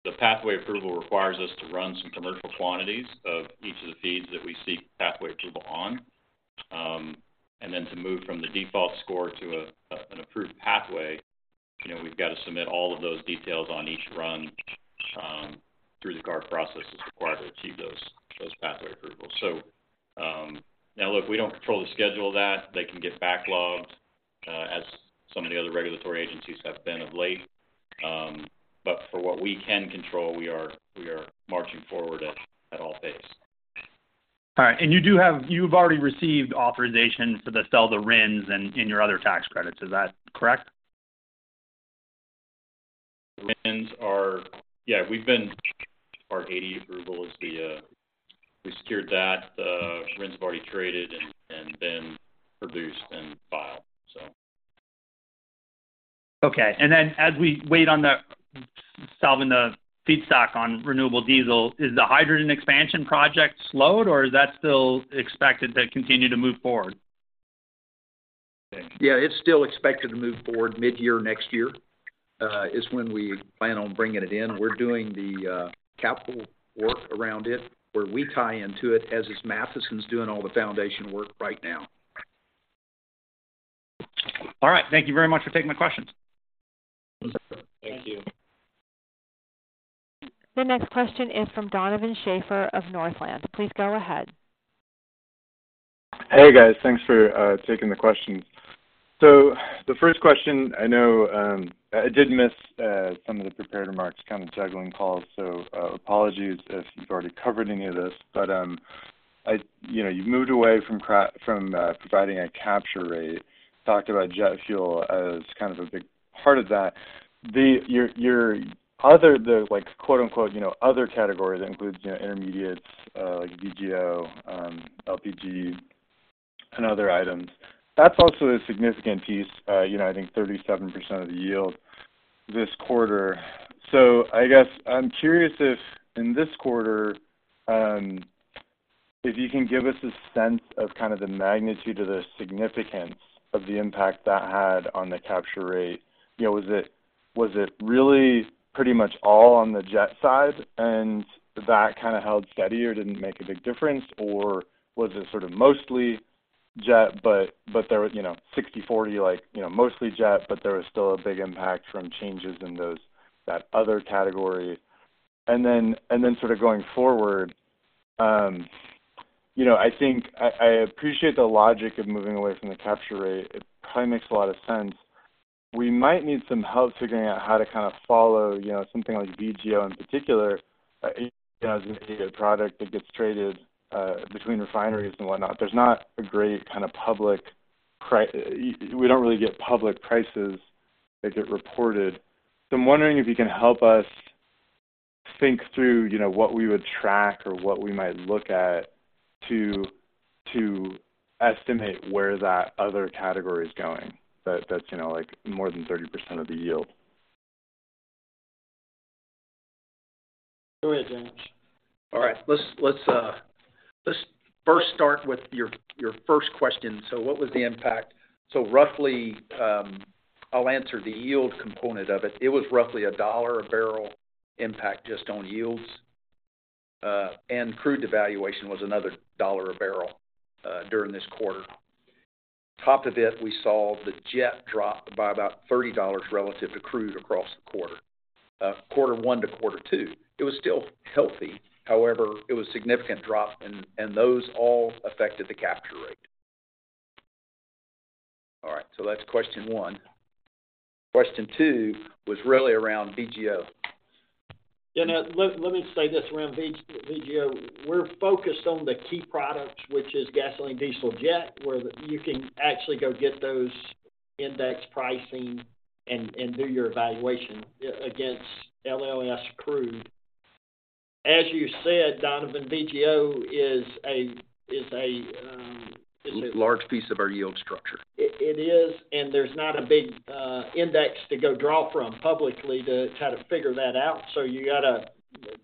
the pathway approval requires us to run some commercial quantities of each of the feeds that we seek pathway approval on. Then to move from the default score to a, an approved pathway, you know, we've got to submit all of those details on each run through the CARB processes required to achieve those, those pathway approvals. Now, look, we don't control the schedule of that. They can get backlogged as some of the other regulatory agencies have been of late. For what we can control, we are, we are marching forward at all pace. All right. You've already received authorizations to sell the RINs and your other tax credits. Is that correct? RINs are. Yeah, we've been, our AD approval, we secured that. The RINs have already traded and been produced and filed, so. Okay. Then, as we wait on the solving the feedstock on renewable diesel, is the hydrogen expansion project slowed, or is that still expected to continue to move forward? Yeah, it's still expected to move forward. Mid-year, next year, is when we plan on bringing it in. We're doing the capital work around it, where we tie into it, as is Matheson's doing all the foundation work right now. All right. Thank you very much for taking my questions. Thank you. The next question is from Donovan Schafer of Northland. Please go ahead. Hey, guys. Thanks for taking the questions. The first question, I know, I did miss some of the prepared remarks, kind of juggling calls, apologies if you've already covered any of this. You know, you've moved away from from providing a capture rate, talked about jet fuel as kind of a big part of that. Your, your other, the, like, quote, unquote, you know, other categories, including, you know, intermediates, like VGO, LPG and other items. That's also a significant piece, you know, I think 37% of the yield this quarter. I guess I'm curious if in this quarter, if you can give us a sense of kind of the magnitude of the significance of the impact that had on the capture rate. You know, was it, was it really pretty much all on the jet side, and that kind of held steady or didn't make a big difference? Or was it sort of mostly jet, but, but there was, you know, 60/40, like, you know, mostly jet, but there was still a big impact from changes in those, that other category? Then, and then sort of going forward, you know, I think I, I appreciate the logic of moving away from the capture rate. It probably makes a lot of sense. We might need some help figuring out how to kind of follow, you know, something like VGO in particular, as a product that gets traded between refineries and whatnot. There's not a great kind of public pri-- We don't really get public prices that get reported. I'm wondering if you can help us think through, you know, what we would track or what we might look at to, to estimate where that other category is going. That's, you know, like, more than 30% of the yield. Go ahead, James. All right, let's, let's, let's first start with your, your first question. What was the impact? Roughly, I'll answer the yield component of it. It was roughly a $1 a barrel impact just on yields, and crude devaluation was another $1 a barrel during this quarter. Top of it, we saw the jet drop by about $30 relative to crude across the quarter, quarter one to quarter two. It was still healthy. However, it was a significant drop, and those all affected the capture rate. All right, that's question one. Question two was really around VGO. Yeah, now, let me say this around VGO. We're focused on the key products, which is gasoline, diesel, jet, where you can actually go get those index pricing and do your evaluation against LLS crude. As you said, Donovan, VGO is a. Large piece of our yield structure. It, it is. There's not a big index to go draw from publicly to try to figure that out. You got to.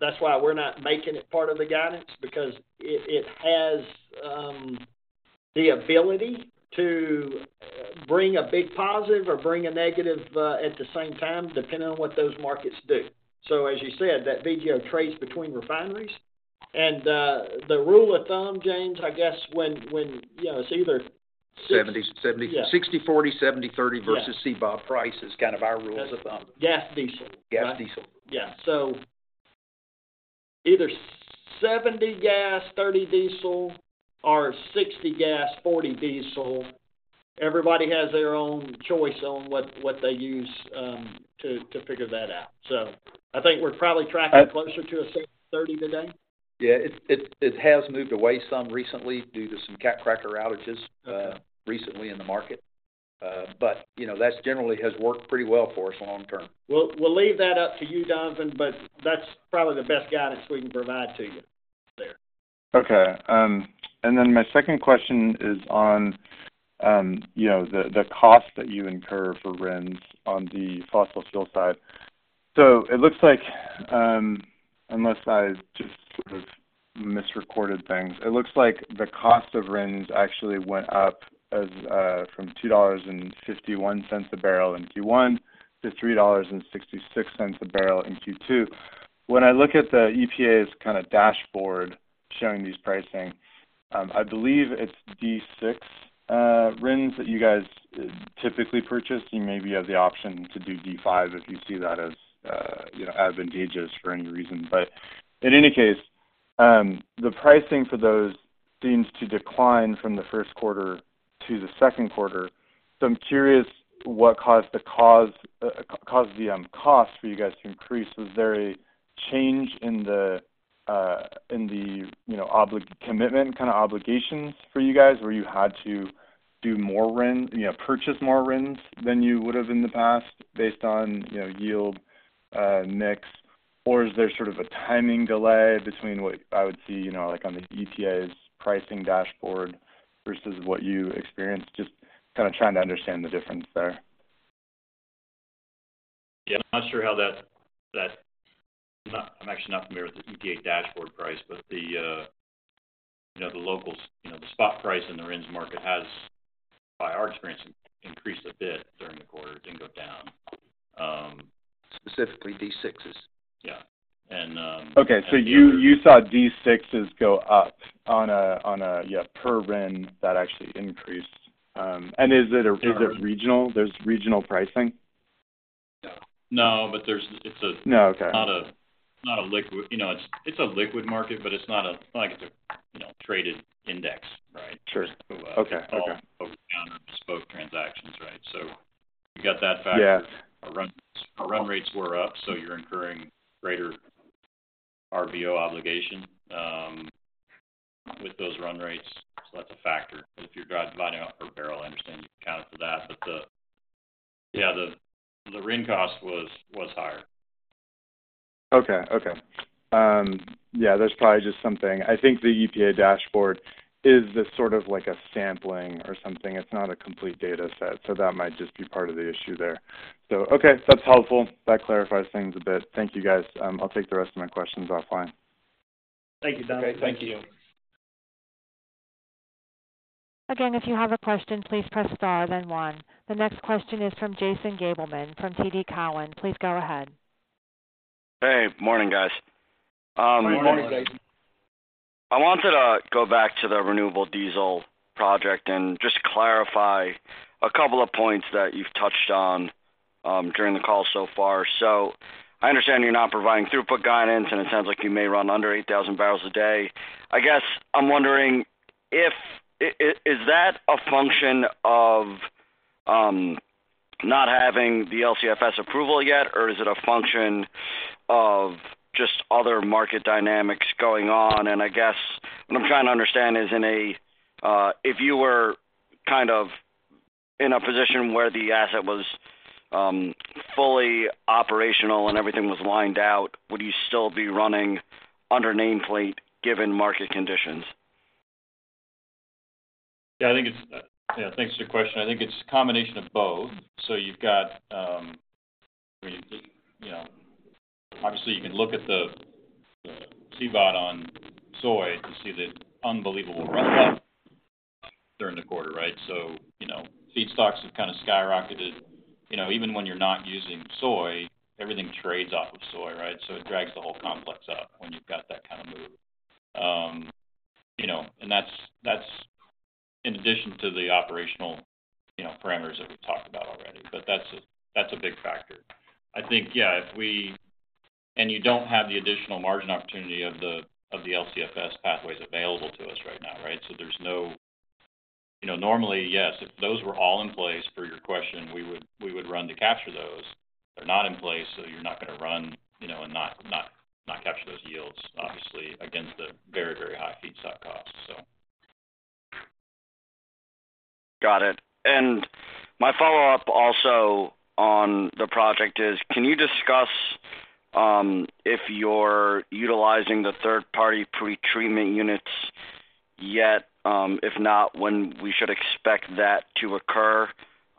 That's why we're not making it part of the guidance, because it, it has the ability to. Bring a big positive or bring a negative at the same time, depending on what those markets do. As you said, that VGO trades between refineries. The rule of thumb, James, I guess when, when, you know, it's either- 70. Yeah. 60/40, 70/30. Yeah versus CBOT price is kind of our rule of thumb. Gas, diesel. Gas, diesel. Yeah. Either 70 gas, 30 diesel, or 60 gas, 40 diesel. Everybody has their own choice on what, what they use to figure that out. I think we're probably tracking closer to a 60/30 today. Yeah, it, it, it has moved away some recently due to some cat cracker outages. Okay recently in the market. You know, that's generally has worked pretty well for us long term. We'll, we'll leave that up to you, Donovan, but that's probably the best guidance we can provide to you there. My second question is on, you know, the cost that you incur for RINs on the fossil fuel side. It looks like, unless I just sort of misrecorded things, it looks like the cost of RINs actually went up from $2.51 a barrel in Q1 to $3.66 a barrel in Q2. When I look at the EPA's kind of dashboard showing these pricing, I believe it's D6 RINs that you guys typically purchase. You maybe have the option to do D5 if you see that as, you know, advantageous for any reason. In any case, the pricing for those seems to decline from the first quarter to the second quarter. I'm curious what caused the cost for you guys to increase. Was there a change in the, in the, you know, commitment, kind of, obligations for you guys, where you had to do more RIN, you know, purchase more RINs than you would have in the past based on, you know, yield, mix? Or is there sort of a timing delay between what I would see, you know, like on the EPA's pricing dashboard versus what you experienced? Just kind of trying to understand the difference there. Yeah, I'm not sure how that. I'm actually not familiar with the EPA dashboard price, but the, you know, the locals, you know, the spot price in the RINs market has, by our experience, increased a bit during the quarter, didn't go down. Specifically, D6s. Yeah. Okay. You, you saw D6s go up on a, on a, yeah, per RIN, that actually increased. Is it, is it regional? There's regional pricing? No, but. No. Okay. It's not a, not a liquid, you know, it's, it's a liquid market, but it's not a, like, it's a, you know, traded index, right? Sure. Okay. Okay. Down or bespoke transactions, right? You got that factor. Yeah. Our run, our run rates were up, so you're incurring greater RVO obligation with those run rates. That's a factor. If you're dividing off per barrel, I understand, account for that, but, Yeah, the RIN cost was higher. Okay. Okay. Yeah, there's probably just something. I think the EPA dashboard is this sort of like a sampling or something. It's not a complete data set, so that might just be part of the issue there. Okay, that's helpful. That clarifies things a bit. Thank you, guys. I'll take the rest of my questions offline. Thank you, Donovan. Okay, thank you. Again, if you have a question, please press Star, then One. The next question is from Jason Gabelman from TD Cowen. Please go ahead. Hey, morning, guys. Good morning, Jason. Morning. I wanted to go back to the renewable diesel project and just clarify a couple of points that you've touched on, during the call so far. I understand you're not providing throughput guidance, and it sounds like you may run under 8,000 barrels a day. I guess I'm wondering if is that a function of not having the LCFS approval yet, or is it a function of just other market dynamics going on? I guess what I'm trying to understand is in a, if you were kind of in a position where the asset was fully operational and everything was lined out, would you still be running under nameplate, given market conditions? Yeah, I think it's. Yeah, thanks for your question. I think it's a combination of both. You've got, you know, obviously, you can look at the, the CBOT on soy to see the unbelievable run up during the quarter, right? You know, feedstocks have kind of skyrocketed. You know, even when you're not using soy, everything trades off of soy, right? It drags the whole complex up when you've got that kind of move. You know, and that's, that's in addition to the operational, you know, parameters that we've talked about already, but that's a, that's a big factor. I think, yeah, and you don't have the additional margin opportunity of the, of the LCFS pathways available to us right now, right? There's no. You know, normally, yes, if those were all in place for your question, we would, we would run to capture those. They're not in place, you're not going to run, you know, and not, not, not capture those yields, obviously, against the very, very high feedstock costs, so. Got it. My follow-up also on the project is, can you discuss, if you're utilizing the third-party Pretreatment Units yet? If not, when we should expect that to occur?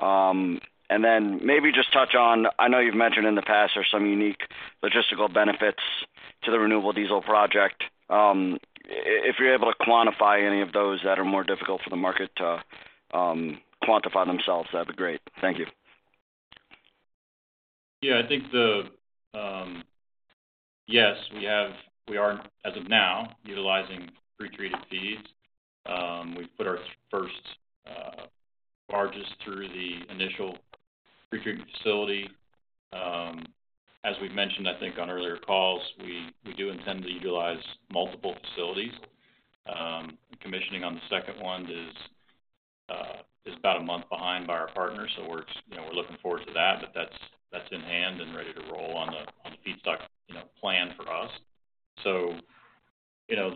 Maybe just touch on. I know you've mentioned in the past, there are some unique logistical benefits. to the renewable diesel project. If you're able to quantify any of those that are more difficult for the market to quantify themselves, that'd be great. Thank you. Yeah, I think the, yes, we have. We are, as of now, utilizing pretreated feeds. We've put our first barges through the initial pretreatment facility. As we've mentioned, I think on earlier calls, we, we do intend to utilize multiple facilities. Commissioning on the second one is about a month behind by our partner, so we're, you know, we're looking forward to that, but that's, that's in hand and ready to roll on the, on the feedstock, you know, plan for us. You know,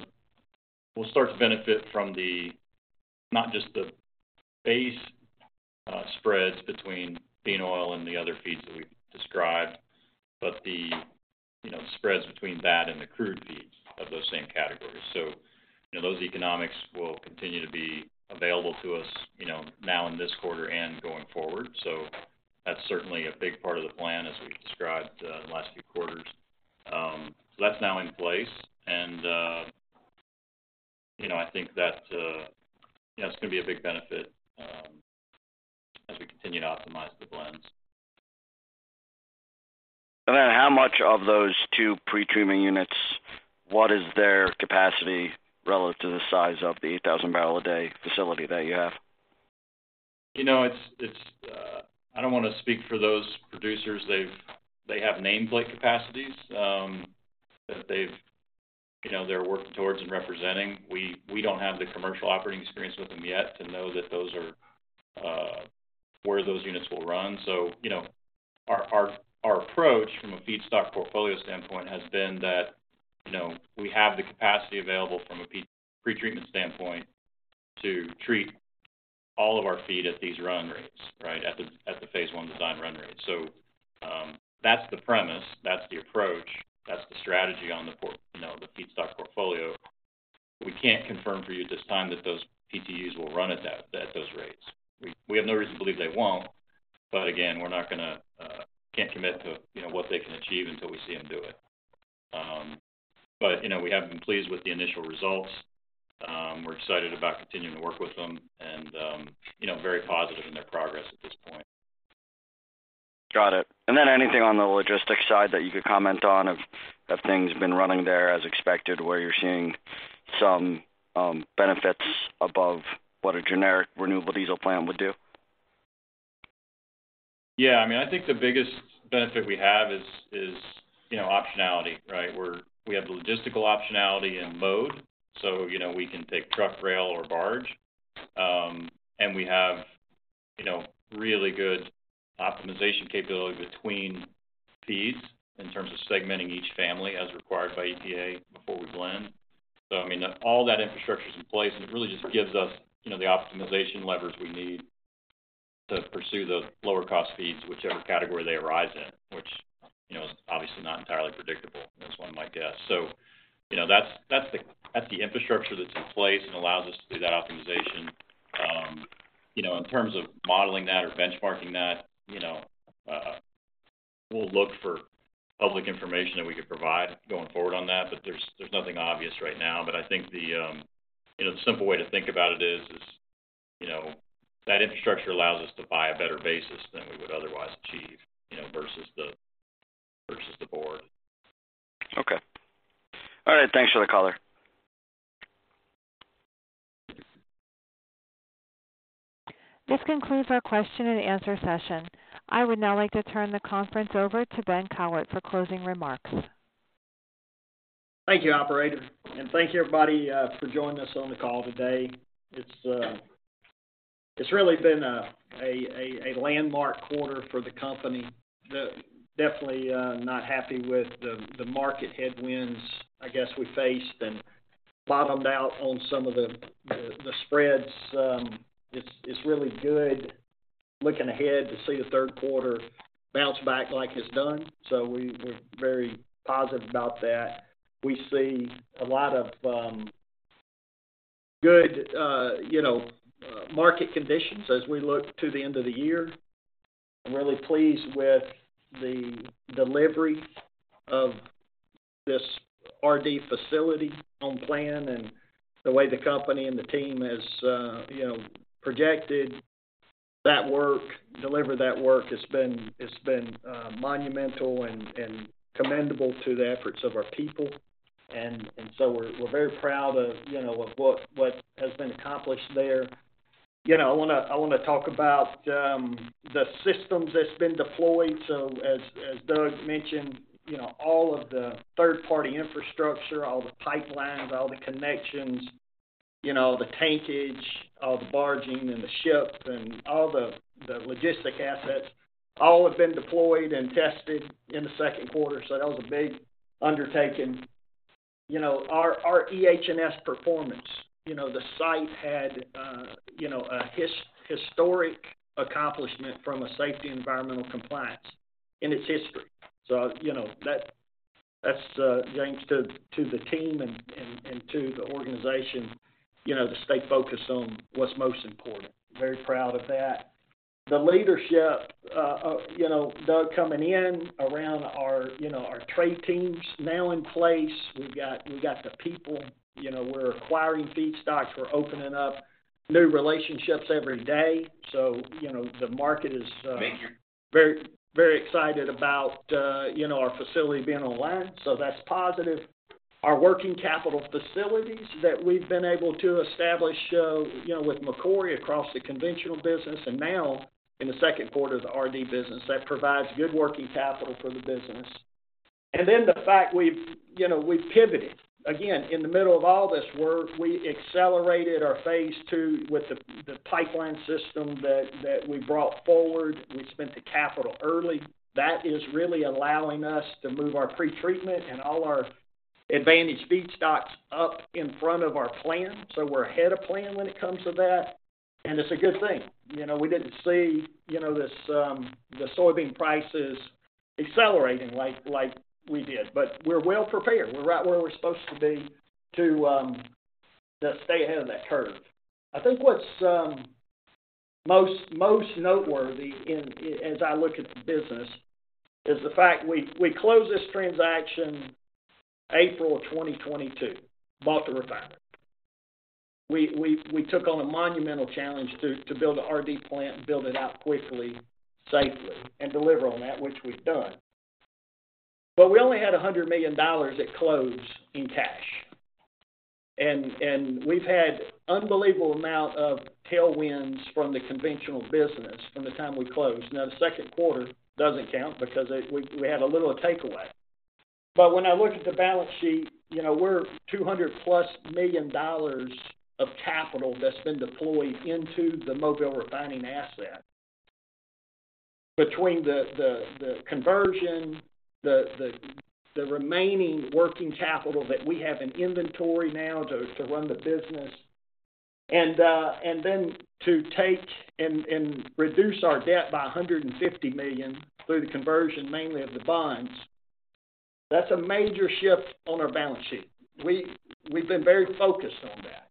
we'll start to benefit from the, not just the base spreads between bean oil and the other feeds that we've described, but the, you know, spreads between that and the crude feeds of those same categories. You know, those economics will continue to be available to us, you know, now in this quarter and going forward. That's certainly a big part of the plan as we described in the last few quarters. That's now in place. You know, I think that that's gonna be a big benefit as we continue to optimize the blends. Then how much of those two Pretreatment units, what is their capacity relative to the size of the 8,000 barrel a day facility that you have? You know, it's, it's, I don't want to speak for those producers. They have nameplate capacities, that they've, you know, they're working towards and representing. We, we don't have the commercial operating experience with them yet to know that those are where those units will run. You know, our, our, our approach from a feedstock portfolio standpoint has been that, you know, we have the capacity available from a pretreatment standpoint to treat all of our feed at these run rates, right? At the, at the phase one design run rate. That's the premise, that's the approach, that's the strategy on the port, you know, the feedstock portfolio. We can't confirm for you at this time that those PTUs will run at that, at those rates. We, we have no reason to believe they won't, but again, we're not gonna, can't commit to, you know, what they can achieve until we see them do it. You know, we have been pleased with the initial results. We're excited about continuing to work with them and, you know, very positive in their progress at this point. Got it. Then anything on the logistics side that you could comment on, have things been running there as expected, where you're seeing some benefits above what a generic renewable diesel plant would do? Yeah, I mean, I think the biggest benefit we have is, is, you know, optionality, right? We have the logistical optionality in mode, so, you know, we can take truck, rail, or barge. We have, you know, really good optimization capability between feeds in terms of segmenting each family as required by EPA before we blend. I mean, all that infrastructure is in place, and it really just gives us, you know, the optimization leverage we need to pursue those lower-cost feeds, whichever category they arise in, which, you know, is obviously not entirely predictable, and that's one might guess. You know, that's, that's the, that's the infrastructure that's in place and allows us to do that optimization. You know, in terms of modeling that or benchmarking that, you know, we'll look for public information that we can provide going forward on that, but there's, there's nothing obvious right now. I think the, you know, the simple way to think about it is, is, you know, that infrastructure allows us to buy a better basis than we would otherwise achieve, you know, versus the, versus the board. Okay. All right, thanks for the call. This concludes our question and answer session. I would now like to turn the conference over to Ben Cowart for closing remarks. Thank you, operator, thank you, everybody, for joining us on the call today. It's, it's really been a, a, a, a landmark quarter for the company. Definitely, not happy with the, the market headwinds, I guess we faced and bottomed out on some of the, the, the spreads. It's, it's really good looking ahead to see the third quarter bounce back like it's done, we're very positive about that. We see a lot of good, you know, market conditions as we look to the end of the year. I'm really pleased with the delivery of this RD facility on plan and the way the company and the team has, you know, projected that work, delivered that work. It's been, it's been, monumental and, and commendable to the efforts of our people. We're, we're very proud of, you know, of what, what has been accomplished there. You know, I wanna, I wanna talk about the systems that's been deployed. As, as Doug mentioned, you know, all of the third-party infrastructure, all the pipelines, all the connections, you know, the tankage, all the barging and the ships and all the logistic assets, all have been deployed and tested in the second quarter. That was a big undertaking. You know, our, our EHS performance, you know, the site had, you know, a historic accomplishment from a safety environmental compliance in its history. You know, that's thanks to, to the team and, and, and to the organization, you know, to stay focused on what's most important. Very proud of that. The leadership, you know, Doug coming in around our, you know, our trade teams now in place. We've got, we've got the people, you know, we're acquiring feedstocks, we're opening up new relationships every day. You know, the market is very, very excited about, you know, our facility being online. That's positive. Our working capital facilities that we've been able to establish, you know, with Macquarie across the conventional business and now in the second quarter, the RD business, that provides good working capital for the business. Then the fact we've, you know, we've pivoted. Again, in the middle of all this work, we accelerated our phase two with the, the pipeline system that, that we brought forward. We spent the capital early. That is really allowing us to move our pretreatment and all our advantage feedstocks up in front of our plan. We're ahead of plan when it comes to that, and it's a good thing. You know, we didn't see, you know, this, the soybean prices accelerating like, like we did, but we're well prepared. We're right where we're supposed to be to, to stay ahead of that curve. I think what's most, most noteworthy as I look at the business, is the fact we, we closed this transaction April of 2022, bought the refinery. We, we, we took on a monumental challenge to, to build an RD plant and build it out quickly, safely, and deliver on that, which we've done. We only had $100 million at close in cash, and we've had unbelievable amount of tailwinds from the conventional business from the time we closed. The second quarter doesn't count because we had a little takeaway. When I look at the balance sheet, you know, we're $200+ million of capital that's been deployed into the Mobile Refinery asset. Between the conversion, the remaining working capital that we have in inventory now to run the business, and then to take and reduce our debt by $150 million through the conversion, mainly of the bonds. That's a major shift on our balance sheet. We've been very focused on that.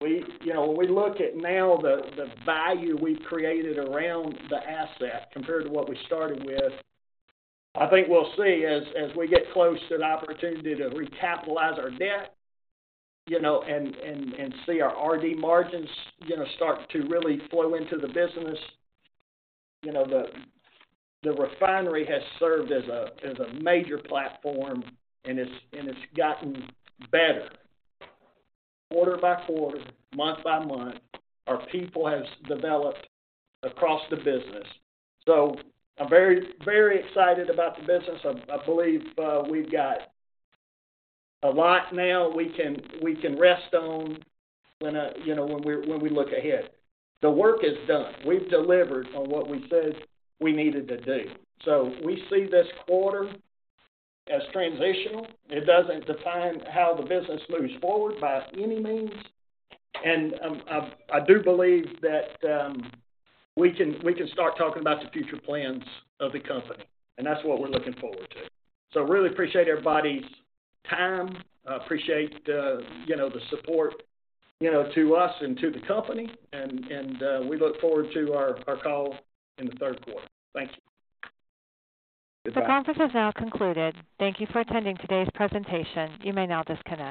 We you know, when we look at now the, the value we've created around the asset compared to what we started with, I think we'll see as, as we get close to the opportunity to recapitalize our debt, you know, and, and, and see our RD margins, you know, start to really flow into the business. You know, the, the refinery has served as a, as a major platform, and it's, and it's gotten better. Quarter by quarter, month by month, our people has developed across the business. I'm very, very excited about the business. I, I believe we've got a lot now we can, we can rest on when, you know, when we look ahead. The work is done. We've delivered on what we said we needed to do. We see this quarter as transitional. It doesn't define how the business moves forward by any means. I, I do believe that we can, we can start talking about the future plans of the company, and that's what we're looking forward to. Really appreciate everybody's time. I appreciate, you know, the support, you know, to us and to the company, we look forward to our, our call in the third quarter. Thank you. Goodbye. The conference is now concluded. Thank you for attending today's presentation. You may now disconnect.